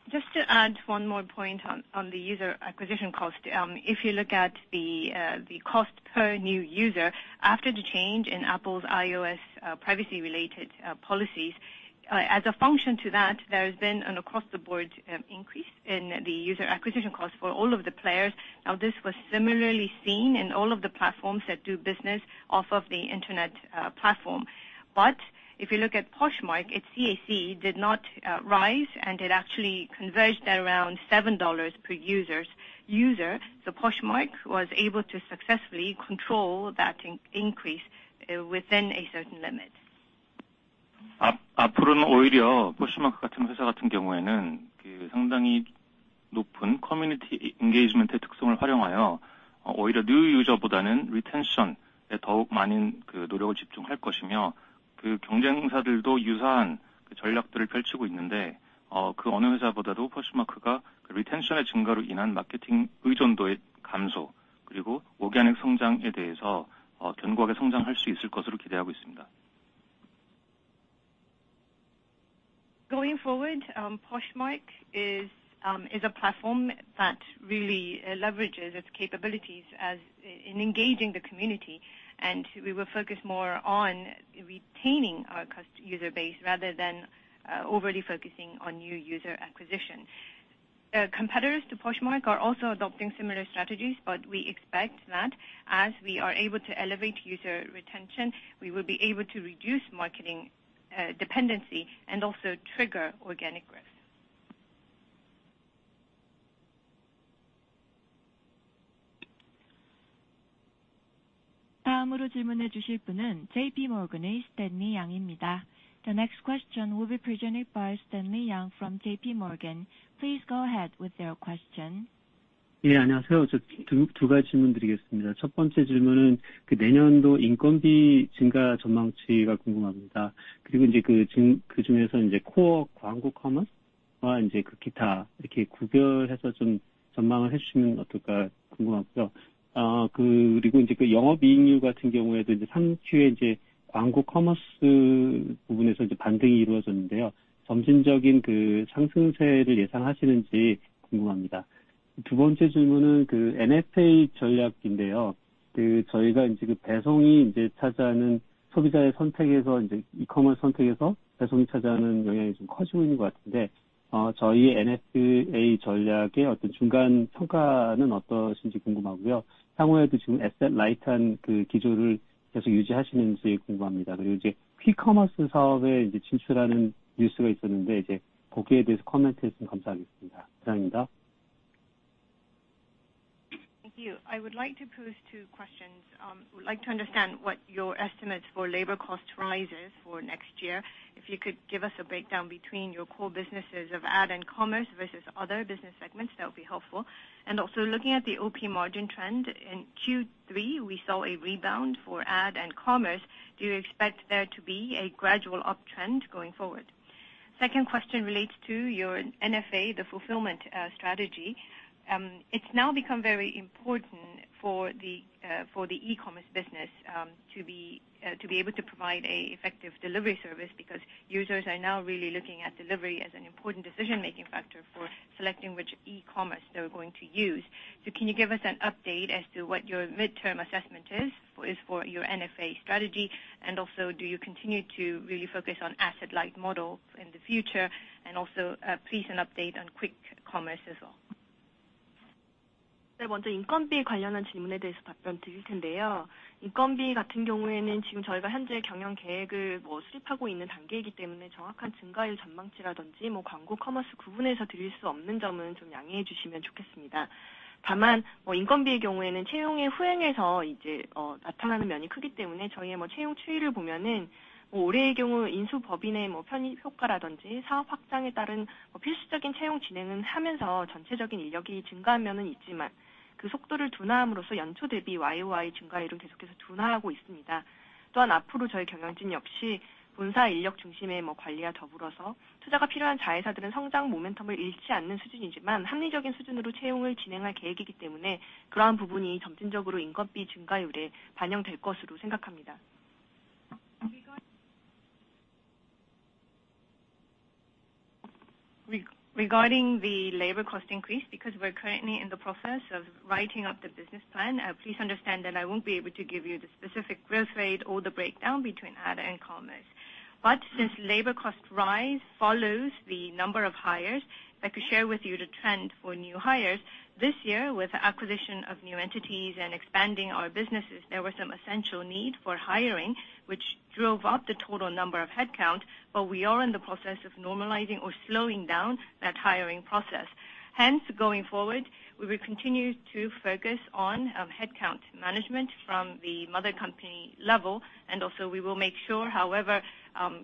Just to add one more point on the user acquisition cost. If you look at the cost per new user after the change in Apple's iOS privacy-related policies, as a function of that, there has been an across-the-board increase in the user acquisition costs for all of the players. This was similarly seen in all of the platforms that do business off of the internet platform. If you look at Poshmark, its CAC did not rise, and it actually converged at around $7 per user. Poshmark was able to successfully control that increase within a certain limit. Going forward, Poshmark is a platform that really leverages its capabilities in engaging the community, and we will focus more on retaining our user base rather than overly focusing on new user acquisition. Competitors to Poshmark are also adopting similar strategies, but we expect that as we are able to elevate user retention, we will be able to reduce marketing dependency and also trigger organic growth. The next question will be presented by Stanley Yang from JPMorgan. Please go ahead with your question. Thank you. I would like to pose two questions. Would like to understand what your estimates for labor cost rises for next year. If you could give us a breakdown between your core businesses of ad and commerce versus other business segments, that would be helpful. Also looking at the OP margin trend, in Q3, we saw a rebound for ad and commerce. Do you expect there to be a gradual uptrend going forward? Second question relates to your NFA, the fulfillment strategy. It's now become very important for the e-commerce business to be able to provide an effective delivery service because users are now really looking at delivery as an important decision-making factor for selecting which e-commerce they're going to use. Can you give us an update as to what your midterm assessment is for your NFA strategy? Do you continue to really focus on asset light model in the future? Please an update on quick commerce as well. Regarding the labor cost increase because we're currently in the process of writing up the business plan, please understand that I won't be able to give you the specific growth rate or the breakdown between ad and commerce. Since labor cost rise follows the number of hires, if I could share with you the trend for new hires this year with the acquisition of new entities and expanding our businesses, there were some essential need for hiring, which drove up the total number of headcount, but we are in the process of normalizing or slowing down that hiring process. Hence, going forward, we will continue to focus on headcount management from the mother company level, and also we will make sure, however,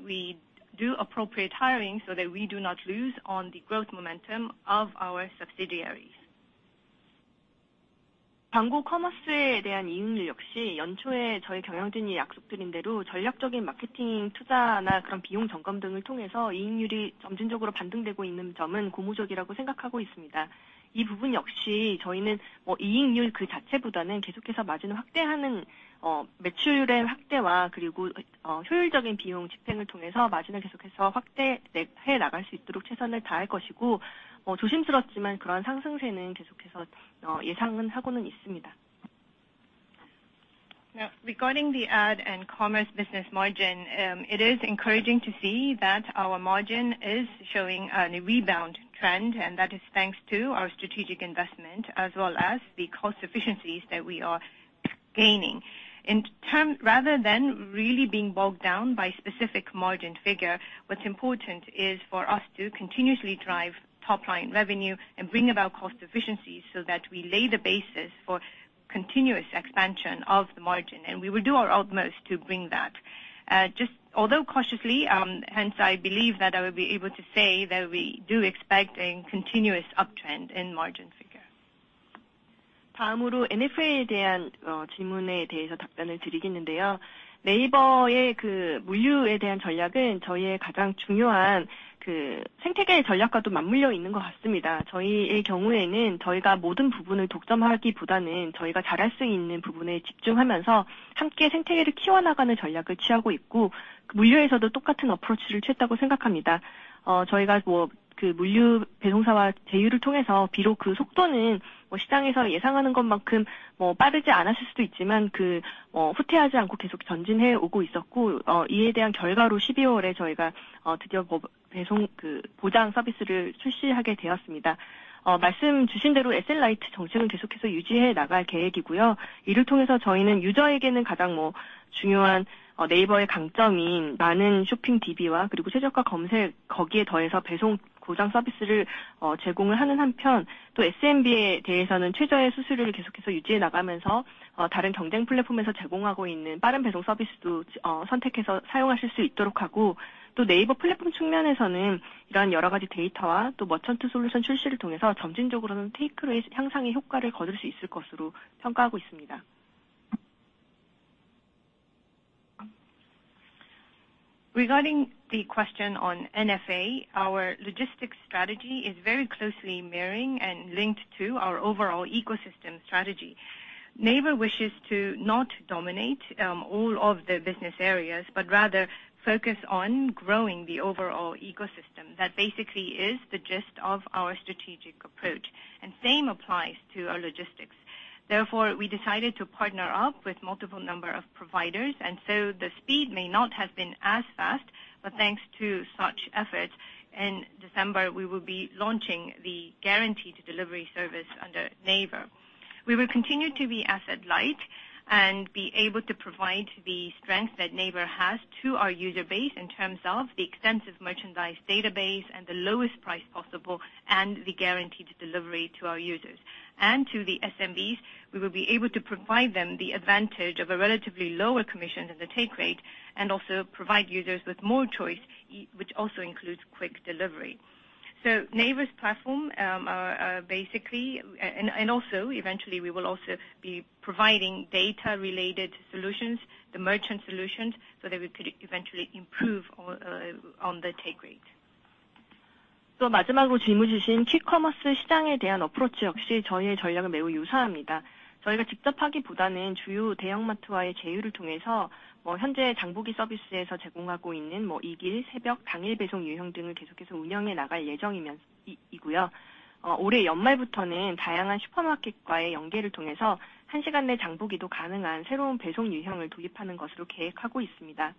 we do appropriate hiring so that we do not lose on the growth momentum of our subsidiaries. Now, regarding the ad and commerce business margin, it is encouraging to see that our margin is showing a rebound trend, and that is thanks to our strategic investment as well as the cost efficiencies that we are gaining. In terms, rather than really being bogged down by specific margin figure, what's important is for us to continuously drive top line revenue and bring about cost efficiencies so that we lay the basis for continuous expansion of the margin, and we will do our utmost to bring that. Just although cautiously, hence I believe that I will be able to say that we do expect a continuous uptrend in margin figure. Regarding the question on NFA, our logistics strategy is very closely mirroring and linked to our overall ecosystem strategy. NAVER wishes to not dominate all of the business areas, but rather focus on growing the overall ecosystem. That basically is the gist of our strategic approach, and same applies to our logistics. Therefore, we decided to partner up with multiple number of providers, and so the speed may not have been as fast, but thanks to such efforts, in December, we will be launching the Guaranteed Delivery service under NAVER. We will continue to be asset light and be able to provide the strength that NAVER has to our user base in terms of the extensive merchandise database and the lowest price possible, and the guaranteed delivery to our users. To the SMBs, we will be able to provide them the advantage of a relatively lower commission than the take rate, and also provide users with more choice, which also includes quick delivery. NAVER's platform basically and also eventually we will also be providing data related solutions, the merchant solutions, so that we could eventually improve on the take rate. 마지막으로 질문 주신 퀵 커머스 시장에 대한 어프로치 역시 저희의 전략은 매우 유사합니다. 저희가 직접 하기보다는 주요 대형마트와의 제휴를 통해서 현재 장보기 서비스에서 제공하고 있는 익일, 새벽, 당일 배송 유형 등을 계속해서 운영해 나갈 예정이면, 이고요. 올해 연말부터는 다양한 슈퍼마켓과의 연계를 통해서 1시간 내 장보기도 가능한 새로운 배송 유형을 도입하는 것으로 계획하고 있습니다.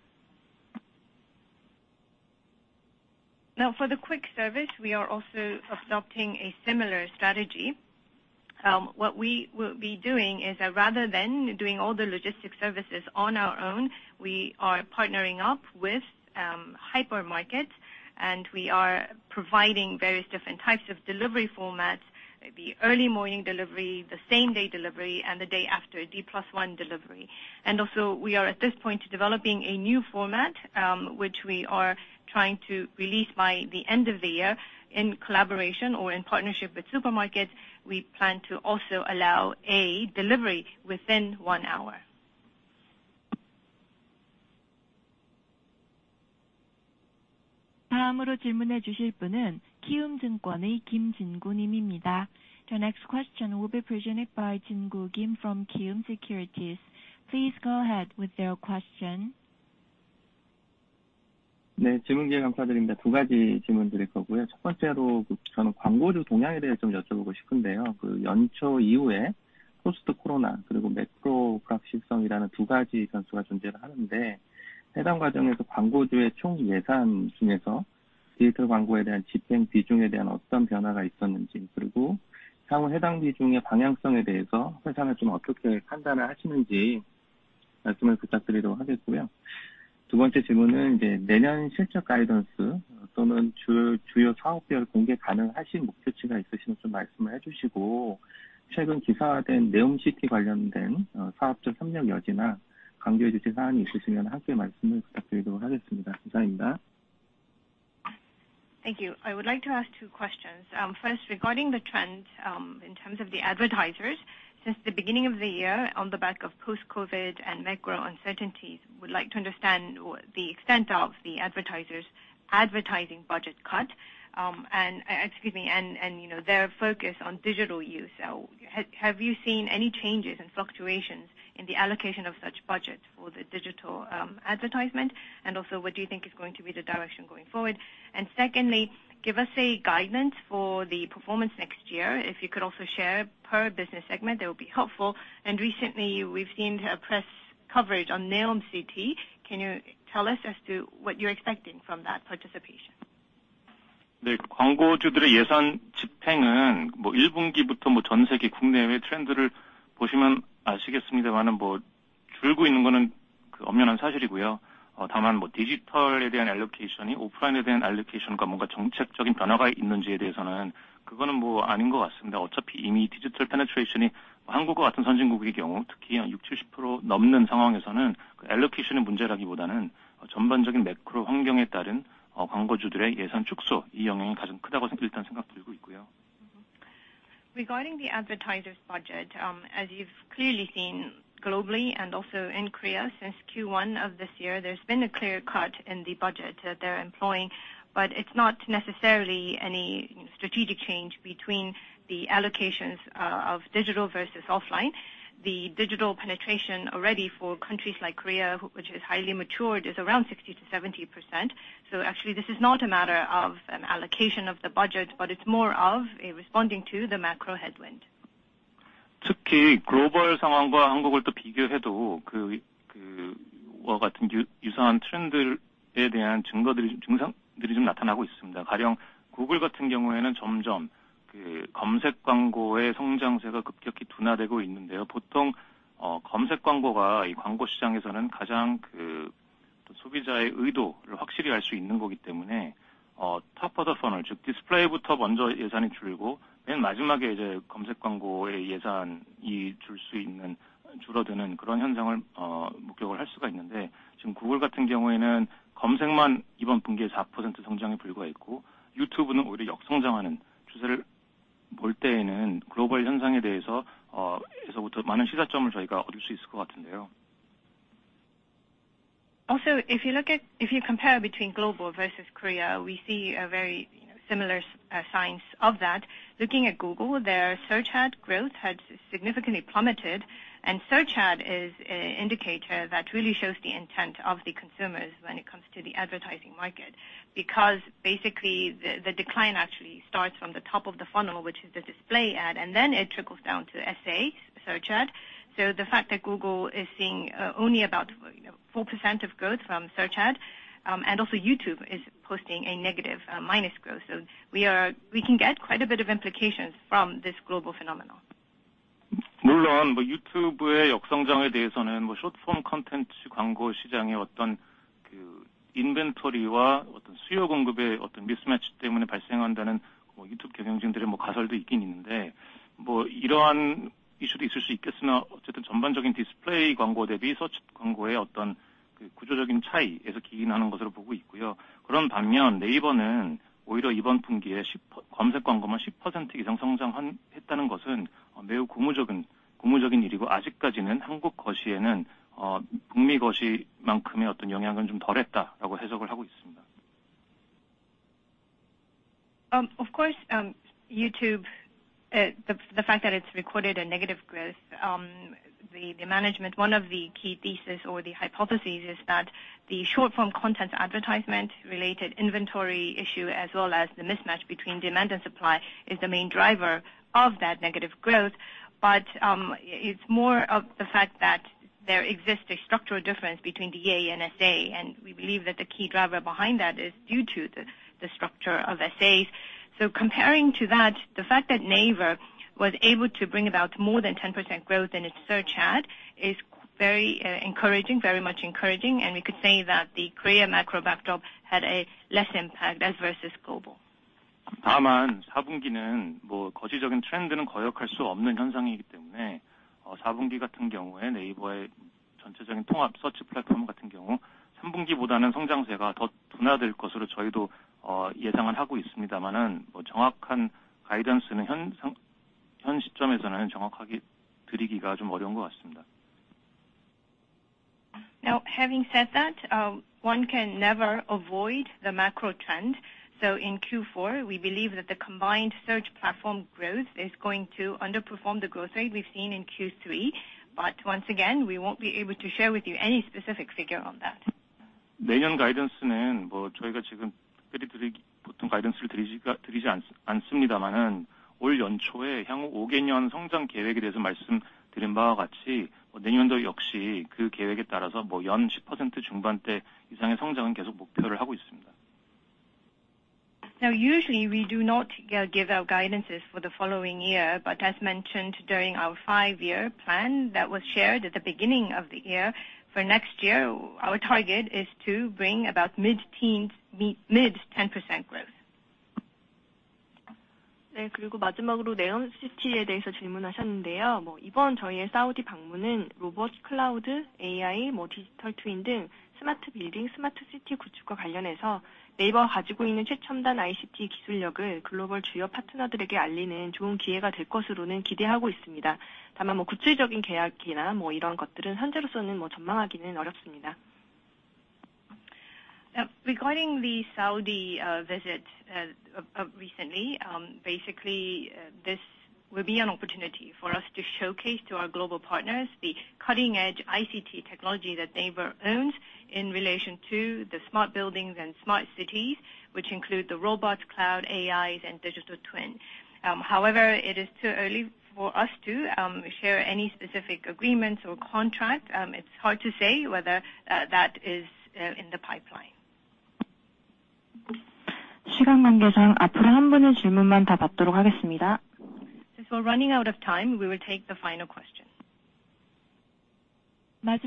Now for the quick service, we are also adopting a similar strategy. What we will be doing is that rather than doing all the logistics services on our own, we are partnering up with hypermarkets, and we are providing various different types of delivery formats, the early morning delivery, the same day delivery and the day after D+1 delivery. We are at this point developing a new format, which we are trying to release by the end of the year in collaboration or in partnership with supermarkets. We plan to also allow a delivery within one hour. 다음으로 질문해 주실 분은 키움증권의 김진구 님입니다. The next question will be presented by Kim Jin-gu from Kiwoom Securities. Please go ahead with your question. 네, 질문 기회 감사드립니다. 두 가지 질문드릴 거고요. 첫 번째로 저는 광고주 동향에 대해 좀 여쭤보고 싶은데요. 연초 이후에 포스트 코로나 그리고 매크로 불확실성이라는 두 가지 변수가 존재를 하는데, 해당 과정에서 광고주의 총 예산 중에서 디지털 광고에 대한 집행 비중에 대한 어떤 변화가 있었는지, 그리고 향후 해당 비중의 방향성에 대해서 회사는 좀 어떻게 판단을 하시는지 말씀을 부탁드리도록 하겠고요. 두 번째 질문은 내년 실적 가이던스 또는 주요 사업별 공개 가능하신 목표치가 있으시면 좀 말씀을 해주시고, 최근 기사화된 네옴시티 관련된 사업적 협력 여지나 강조해 주실 사항이 있으시면 함께 말씀을 부탁드리도록 하겠습니다. 감사합니다. Thank you. I would like to ask two questions. First regarding the trend, in terms of the advertisers. Since the beginning of the year on the back of post-COVID and macro uncertainties, we'd like to understand the extent of the advertisers advertising budget cut, and excuse me, and you know, their focus on digital use. Have you seen any changes and fluctuations in the allocation of such budget for the digital advertisement? Also, what do you think is going to be the direction going forward? Secondly, give us a guidance for the performance next year. If you could also share per business segment, that would be helpful. Recently we've seen a press coverage on NEOM City. Can you tell us as to what you're expecting from that participation? 광고주들의 예산 집행은 1분기부터 전 세계 국내외 트렌드를 보시면 아시겠습니다만은 줄고 있는 것은 엄연한 사실이고요. 다만 디지털에 대한 Allocation이 오프라인에 대한 Allocation과 뭔가 정책적인 변화가 있는지에 대해서는 그거는 아닌 것 같습니다. 어차피 이미 디지털 Penetration이 한국과 같은 선진국의 경우 특히 한 60~70% 넘는 상황에서는 Allocation의 문제라기보다는 전반적인 매크로 환경에 따른 광고주들의 예산 축소, 이 영향이 가장 크다고 생각 들고 있고요. Regarding the advertisers budget, as you've clearly seen globally and also in Korea since Q1 of this year, there's been a clear cut in the budget that they're employing, but it's not necessarily any strategic change between the allocations of digital versus offline. The digital penetration already for countries like Korea, which is highly matured, is around 60%-70%. Actually this is not a matter of an allocation of the budget, but it's more of a response to the macro headwind. 특히 글로벌 상황과 한국을 비교해도 그와 유사한 트렌드에 대한 증거들이, 증상들이 좀 나타나고 있습니다. 가령 Google 같은 경우에는 점점 검색 광고의 성장세가 급격히 둔화되고 있는데요. 보통 검색 광고가 이 광고 시장에서는 가장 소비자의 의도를 확실히 알수 있는 거기 때문에 Top of the funnel, 즉 Display부터 먼저 예산이 줄고 맨 마지막에 검색 광고의 예산이 줄어드는 그런 현상을 목격할 수가 있는데, 지금 Google 같은 경우에는 검색만 이번 분기에 4% 성장에 불과했고, YouTube는 오히려 역성장하는 추세를 볼 때에는 글로벌 현상에서부터 많은 시사점을 저희가 얻을 수 있을 것 같은데요. Also, if you compare between global versus Korea, we see very similar signs of that. Looking at Google, their search ad growth has significantly plummeted. Search ad is an indicator that really shows the intent of the consumers when it comes to the advertising market. Because basically the decline actually starts from the top of the funnel, which is the display ad, and then it trickles down to SA, search ad. The fact that Google is seeing only about, you know, 4% of growth from search ad, and also YouTube is posting a negative minus growth. We can get quite a bit of implications from this global phenomenon. 물론 유튜브의 역성장에 대해서는 Short form content 광고 시장의 Inventory와 수요 공급의 mismatch 때문에 발생한다는 유튜브 경쟁진들의 가설도 있긴 있는데, 이러한 이슈도 있을 수 있겠으나 어쨌든 전반적인 Display 광고 대비 Search 광고의 구조적인 차이에서 기인하는 것으로 보고 있고요. 그런 반면 네이버는 오히려 이번 분기에 Search- Of course, YouTube, the fact that it's recorded a negative growth, the management, one of the key thesis or the hypotheses is that the short form content advertisement related inventory issue, as well as the mismatch between demand and supply is the main driver of that negative growth. It's more of the fact that there exists a structural difference between the DA and SA, and we believe that the key driver behind that is due to the structure of SAs. Comparing to that, the fact that NAVER was able to bring about more than 10% growth in its search ad is very encouraging, very much encouraging. We could say that the Korea macro backdrop had a less impact as versus global. Now, having said that, one can never avoid the macro trend. In Q4, we believe that the combined search platform growth is going to underperform the growth rate we've seen in Q3. Once again, we won't be able to share with you any specific figure on that. Now, usually we do not give our guidances for the following year. As mentioned during our five-year plan that was shared at the beginning of the year, for next year, our target is to bring about mid-teens, mid-10% growth. Now, regarding the Saudi visit recently, basically, this will be an opportunity for us to showcase to our global partners the cutting edge ICT technology that NAVER owns in relation to the smart buildings and smart cities, which include the robots, cloud, AIs, and digital twin. However, it is too early for us to share any specific agreements or contracts. It's hard to say whether that is in the pipeline. Since we're running out of time, we will take the final question. The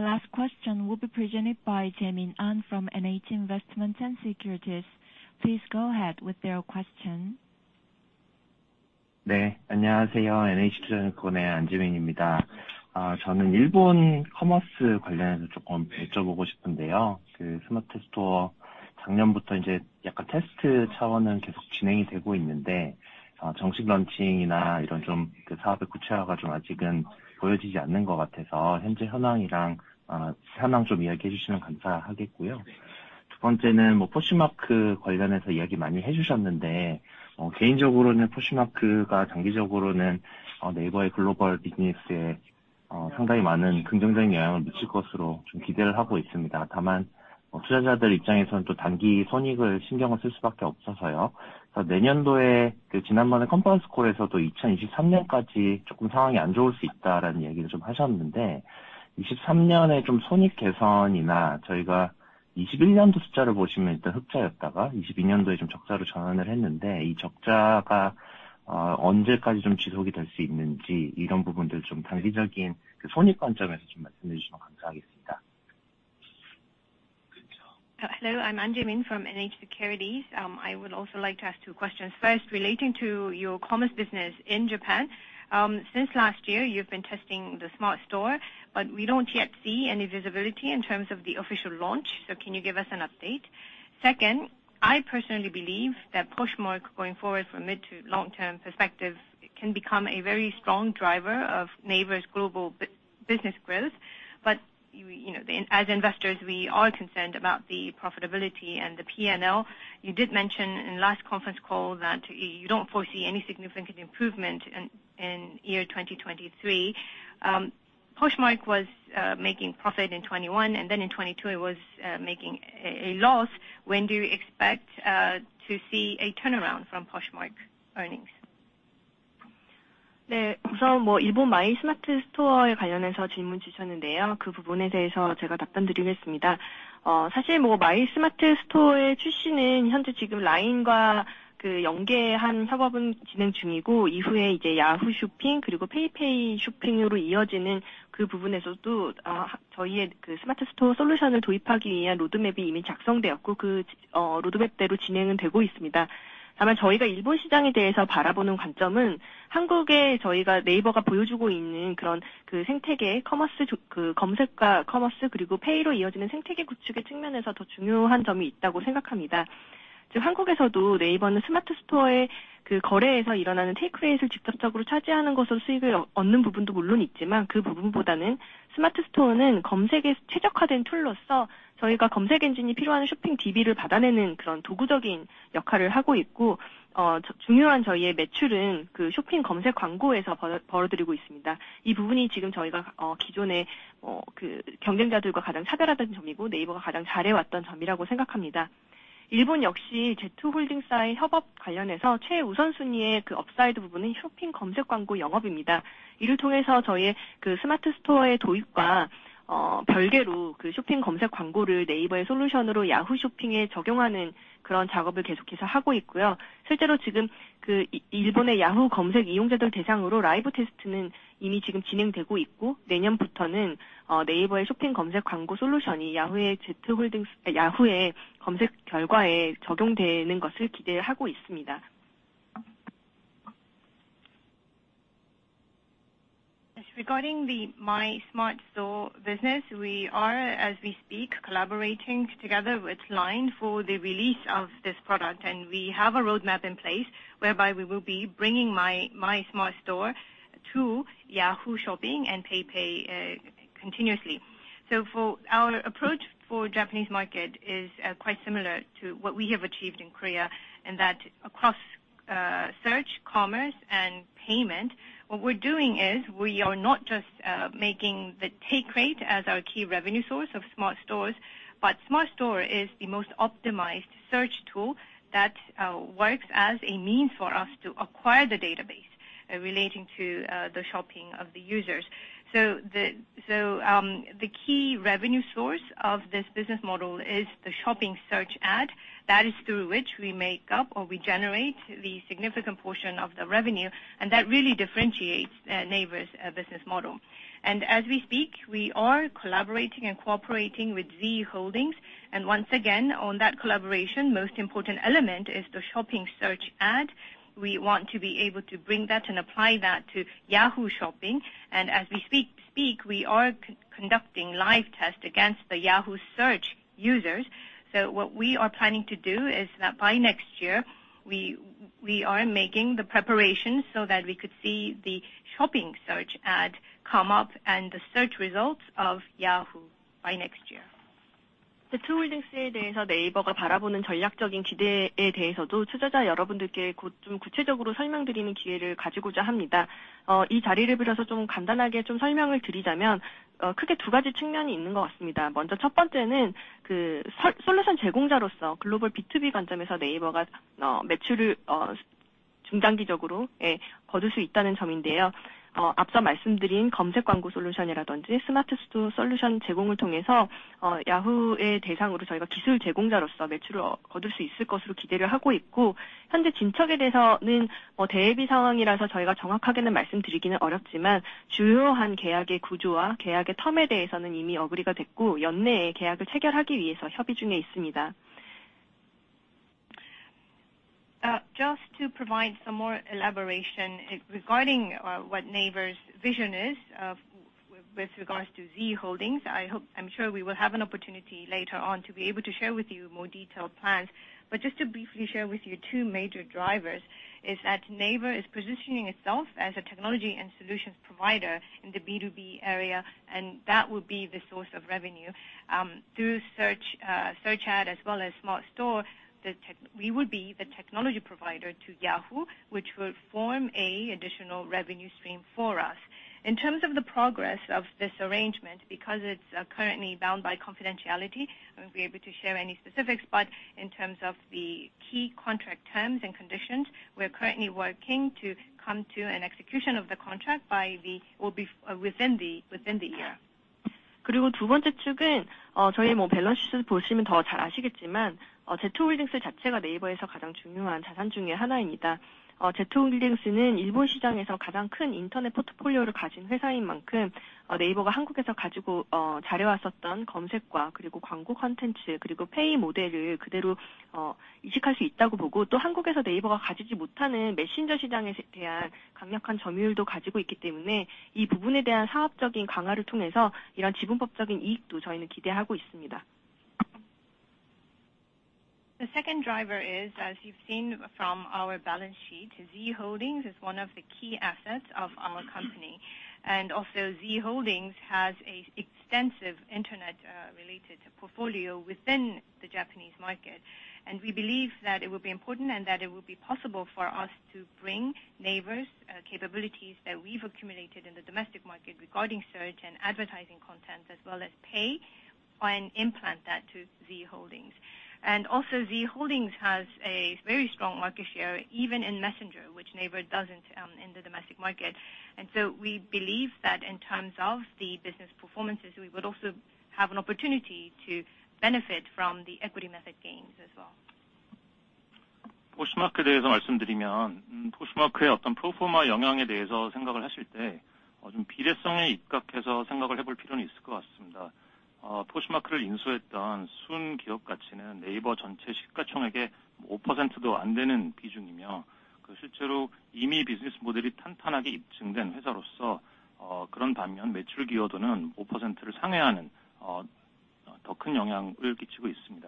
last question will be presented by Ahn Jae-min from NH Investment & Securities. Please go ahead with your question. Hello, I'm Jae-min Ahn from NH Investment & Securities. I would also like to ask two questions. First, relating to your commerce business in Japan. Since last year, you've been testing the Smart Store, but we don't yet see any visibility in terms of the official launch. Can you give us an update? Second, I personally believe that Poshmark going forward from mid to long-term perspective can become a very strong driver of NAVER's global business growth. You know, as investors, we are concerned about the profitability and the P&L. You did mention in last conference call that you don't foresee any significant improvement in year 2023. Poshmark was making profit in 2021, and then in 2022 it was making a loss. When do you expect to see a turnaround from Poshmark earnings? Smart Store solution roadmap. Regarding the Smart Store business, we are, as we speak, collaborating together with LINE for the release of this product, and we have a roadmap in place whereby we will be bringing Smart Store to Yahoo! JAPAN Shopping and PayPay continuously. For our approach for Japanese market is quite similar to what we have achieved in Korea, in that across search, commerce and payment, what we're doing is we are not just making the take rate as our key revenue source of Smart stores, but Smart Store is the most optimized search tool that works as a means for us to acquire the database relating to the shopping of the users. The key revenue source of this business model is the shopping search ad. That is through which we make up or we generate the significant portion of the revenue. That really differentiates NAVER's business model. As we speak, we are collaborating and cooperating with Z Holdings. Once again, on that collaboration, most important element is the shopping search ad. We want to be able to bring that and apply that to Yahoo Shopping. As we speak, we are conducting live tests against the Yahoo search users. What we are planning to do is that by next year, we are making the preparations so that we could see the shopping search ad come up and the search results of Yahoo by next year. Just to provide some more elaboration regarding what NAVER's vision is with regards to Z Holdings, I hope, I'm sure we will have an opportunity later on to be able to share with you more detailed plans. Just to briefly share with you two major drivers is that NAVER is positioning itself as a technology and solutions provider in the B2B area, and that will be the source of revenue through search ad as well as Smart Store, we will be the technology provider to Yahoo, which will form a additional revenue stream for us. In terms of the progress of this arrangement, because it's currently bound by confidentiality, I won't be able to share any specifics, but in terms of the key contract terms and conditions, we are currently working to come to an execution of the contract by the or be within the year. The second driver is, as you've seen from our balance sheet, Z Holdings is one of the key assets of our company. Also Z Holdings has an extensive internet-related portfolio within the Japanese market. We believe that it will be important and that it will be possible for us to bring NAVER's capabilities that we've accumulated in the domestic market regarding search and advertising content as well as pay and implement that to Z Holdings. Also Z Holdings has a very strong market share even in Messenger, which NAVER doesn't, in the domestic market. We believe that in terms of the business performances, we would also have an opportunity to benefit from the equity method gains as well. Poshmark를 인수했던 순기업가치는 네이버 전체 시가총액의 5%도 안 되는 비중이며, 그 실제로 이미 비즈니스 모델이 탄탄하게 입증된 회사로서, 그런 반면 매출 기여도는 5%를 상회하는, 더큰 영향을 끼치고 있습니다.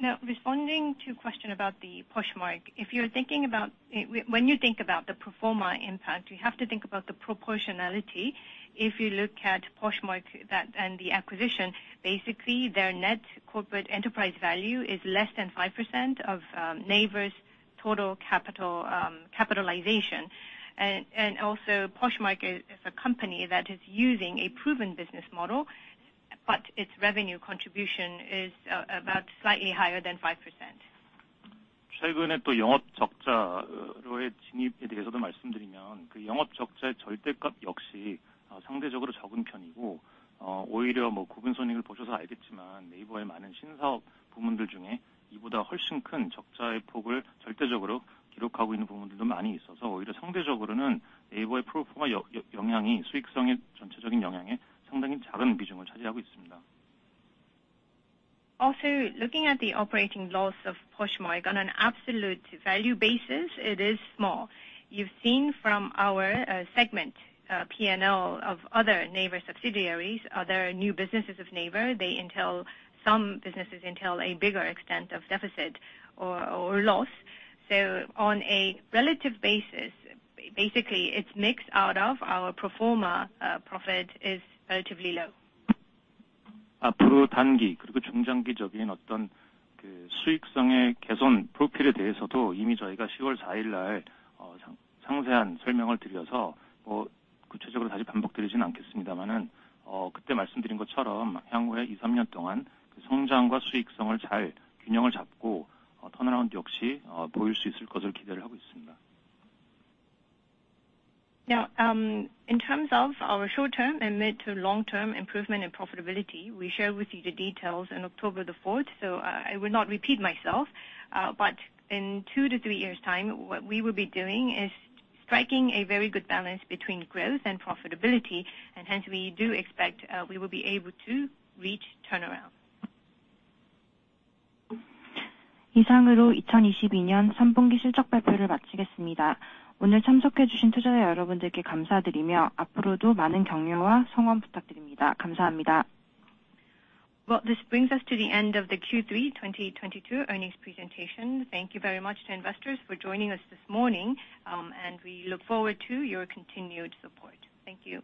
Now responding to question about the Poshmark. If you're thinking about the pro forma impact, you have to think about the proportionality. If you look at Poshmark that and the acquisition, basically their net corporate enterprise value is less than 5% of NAVER's total capital capitalization. Also Poshmark is a company that is using a proven business model, but its revenue contribution is about slightly higher than 5%. 최근에 또 영업적자로의 진입에 대해서도 말씀드리면, 그 영업적자의 절대값 역시 상대적으로 적은 편이고, 오히려 구분 손익을 보셔서 알겠지만 네이버의 많은 신사업 부문들 중에 이보다 훨씬 큰 적자의 폭을 절대적으로 기록하고 있는 부문들도 많이 있어서 오히려 상대적으로는 네이버의 pro forma 영향이 수익성에 전체적인 영향에 상당히 작은 비중을 차지하고 있습니다. Also, looking at the operating loss of Poshmark on an absolute value basis, it is small. You've seen from our segment P&L of other NAVER subsidiaries, other new businesses of NAVER, they entail some businesses a bigger extent of deficit or loss. On a relative basis, basically its mix out of our pro forma profit is relatively low. 앞으로 단기 그리고 중장기적인 수익성의 개선 프로필에 대해서도 이미 저희가 10월 4일날 상세한 설명을 드려서 구체적으로 다시 반복드리진 않겠습니다마는, 그때 말씀드린 것처럼 향후에 이, 삼년 동안 성장과 수익성을 잘 균형을 잡고, turnaround 역시 보일 수 있을 것을 기대를 하고 있습니다. Now, in terms of our short term and mid to long term improvement in profitability, we share with you the details on October the fourth. I will not repeat myself, but in 2 to 3 years' time, what we will be doing is striking a very good balance between growth and profitability, and hence we do expect, we will be able to reach turnaround. 이상으로 2022년 3분기 실적 발표를 마치겠습니다. 오늘 참석해 주신 투자자 여러분들께 감사드리며, 앞으로도 많은 격려와 성원 부탁드립니다. 감사합니다. Well, this brings us to the end of the Q3 2022 earnings presentation. Thank you very much to investors for joining us this morning, and we look forward to your continued support. Thank you.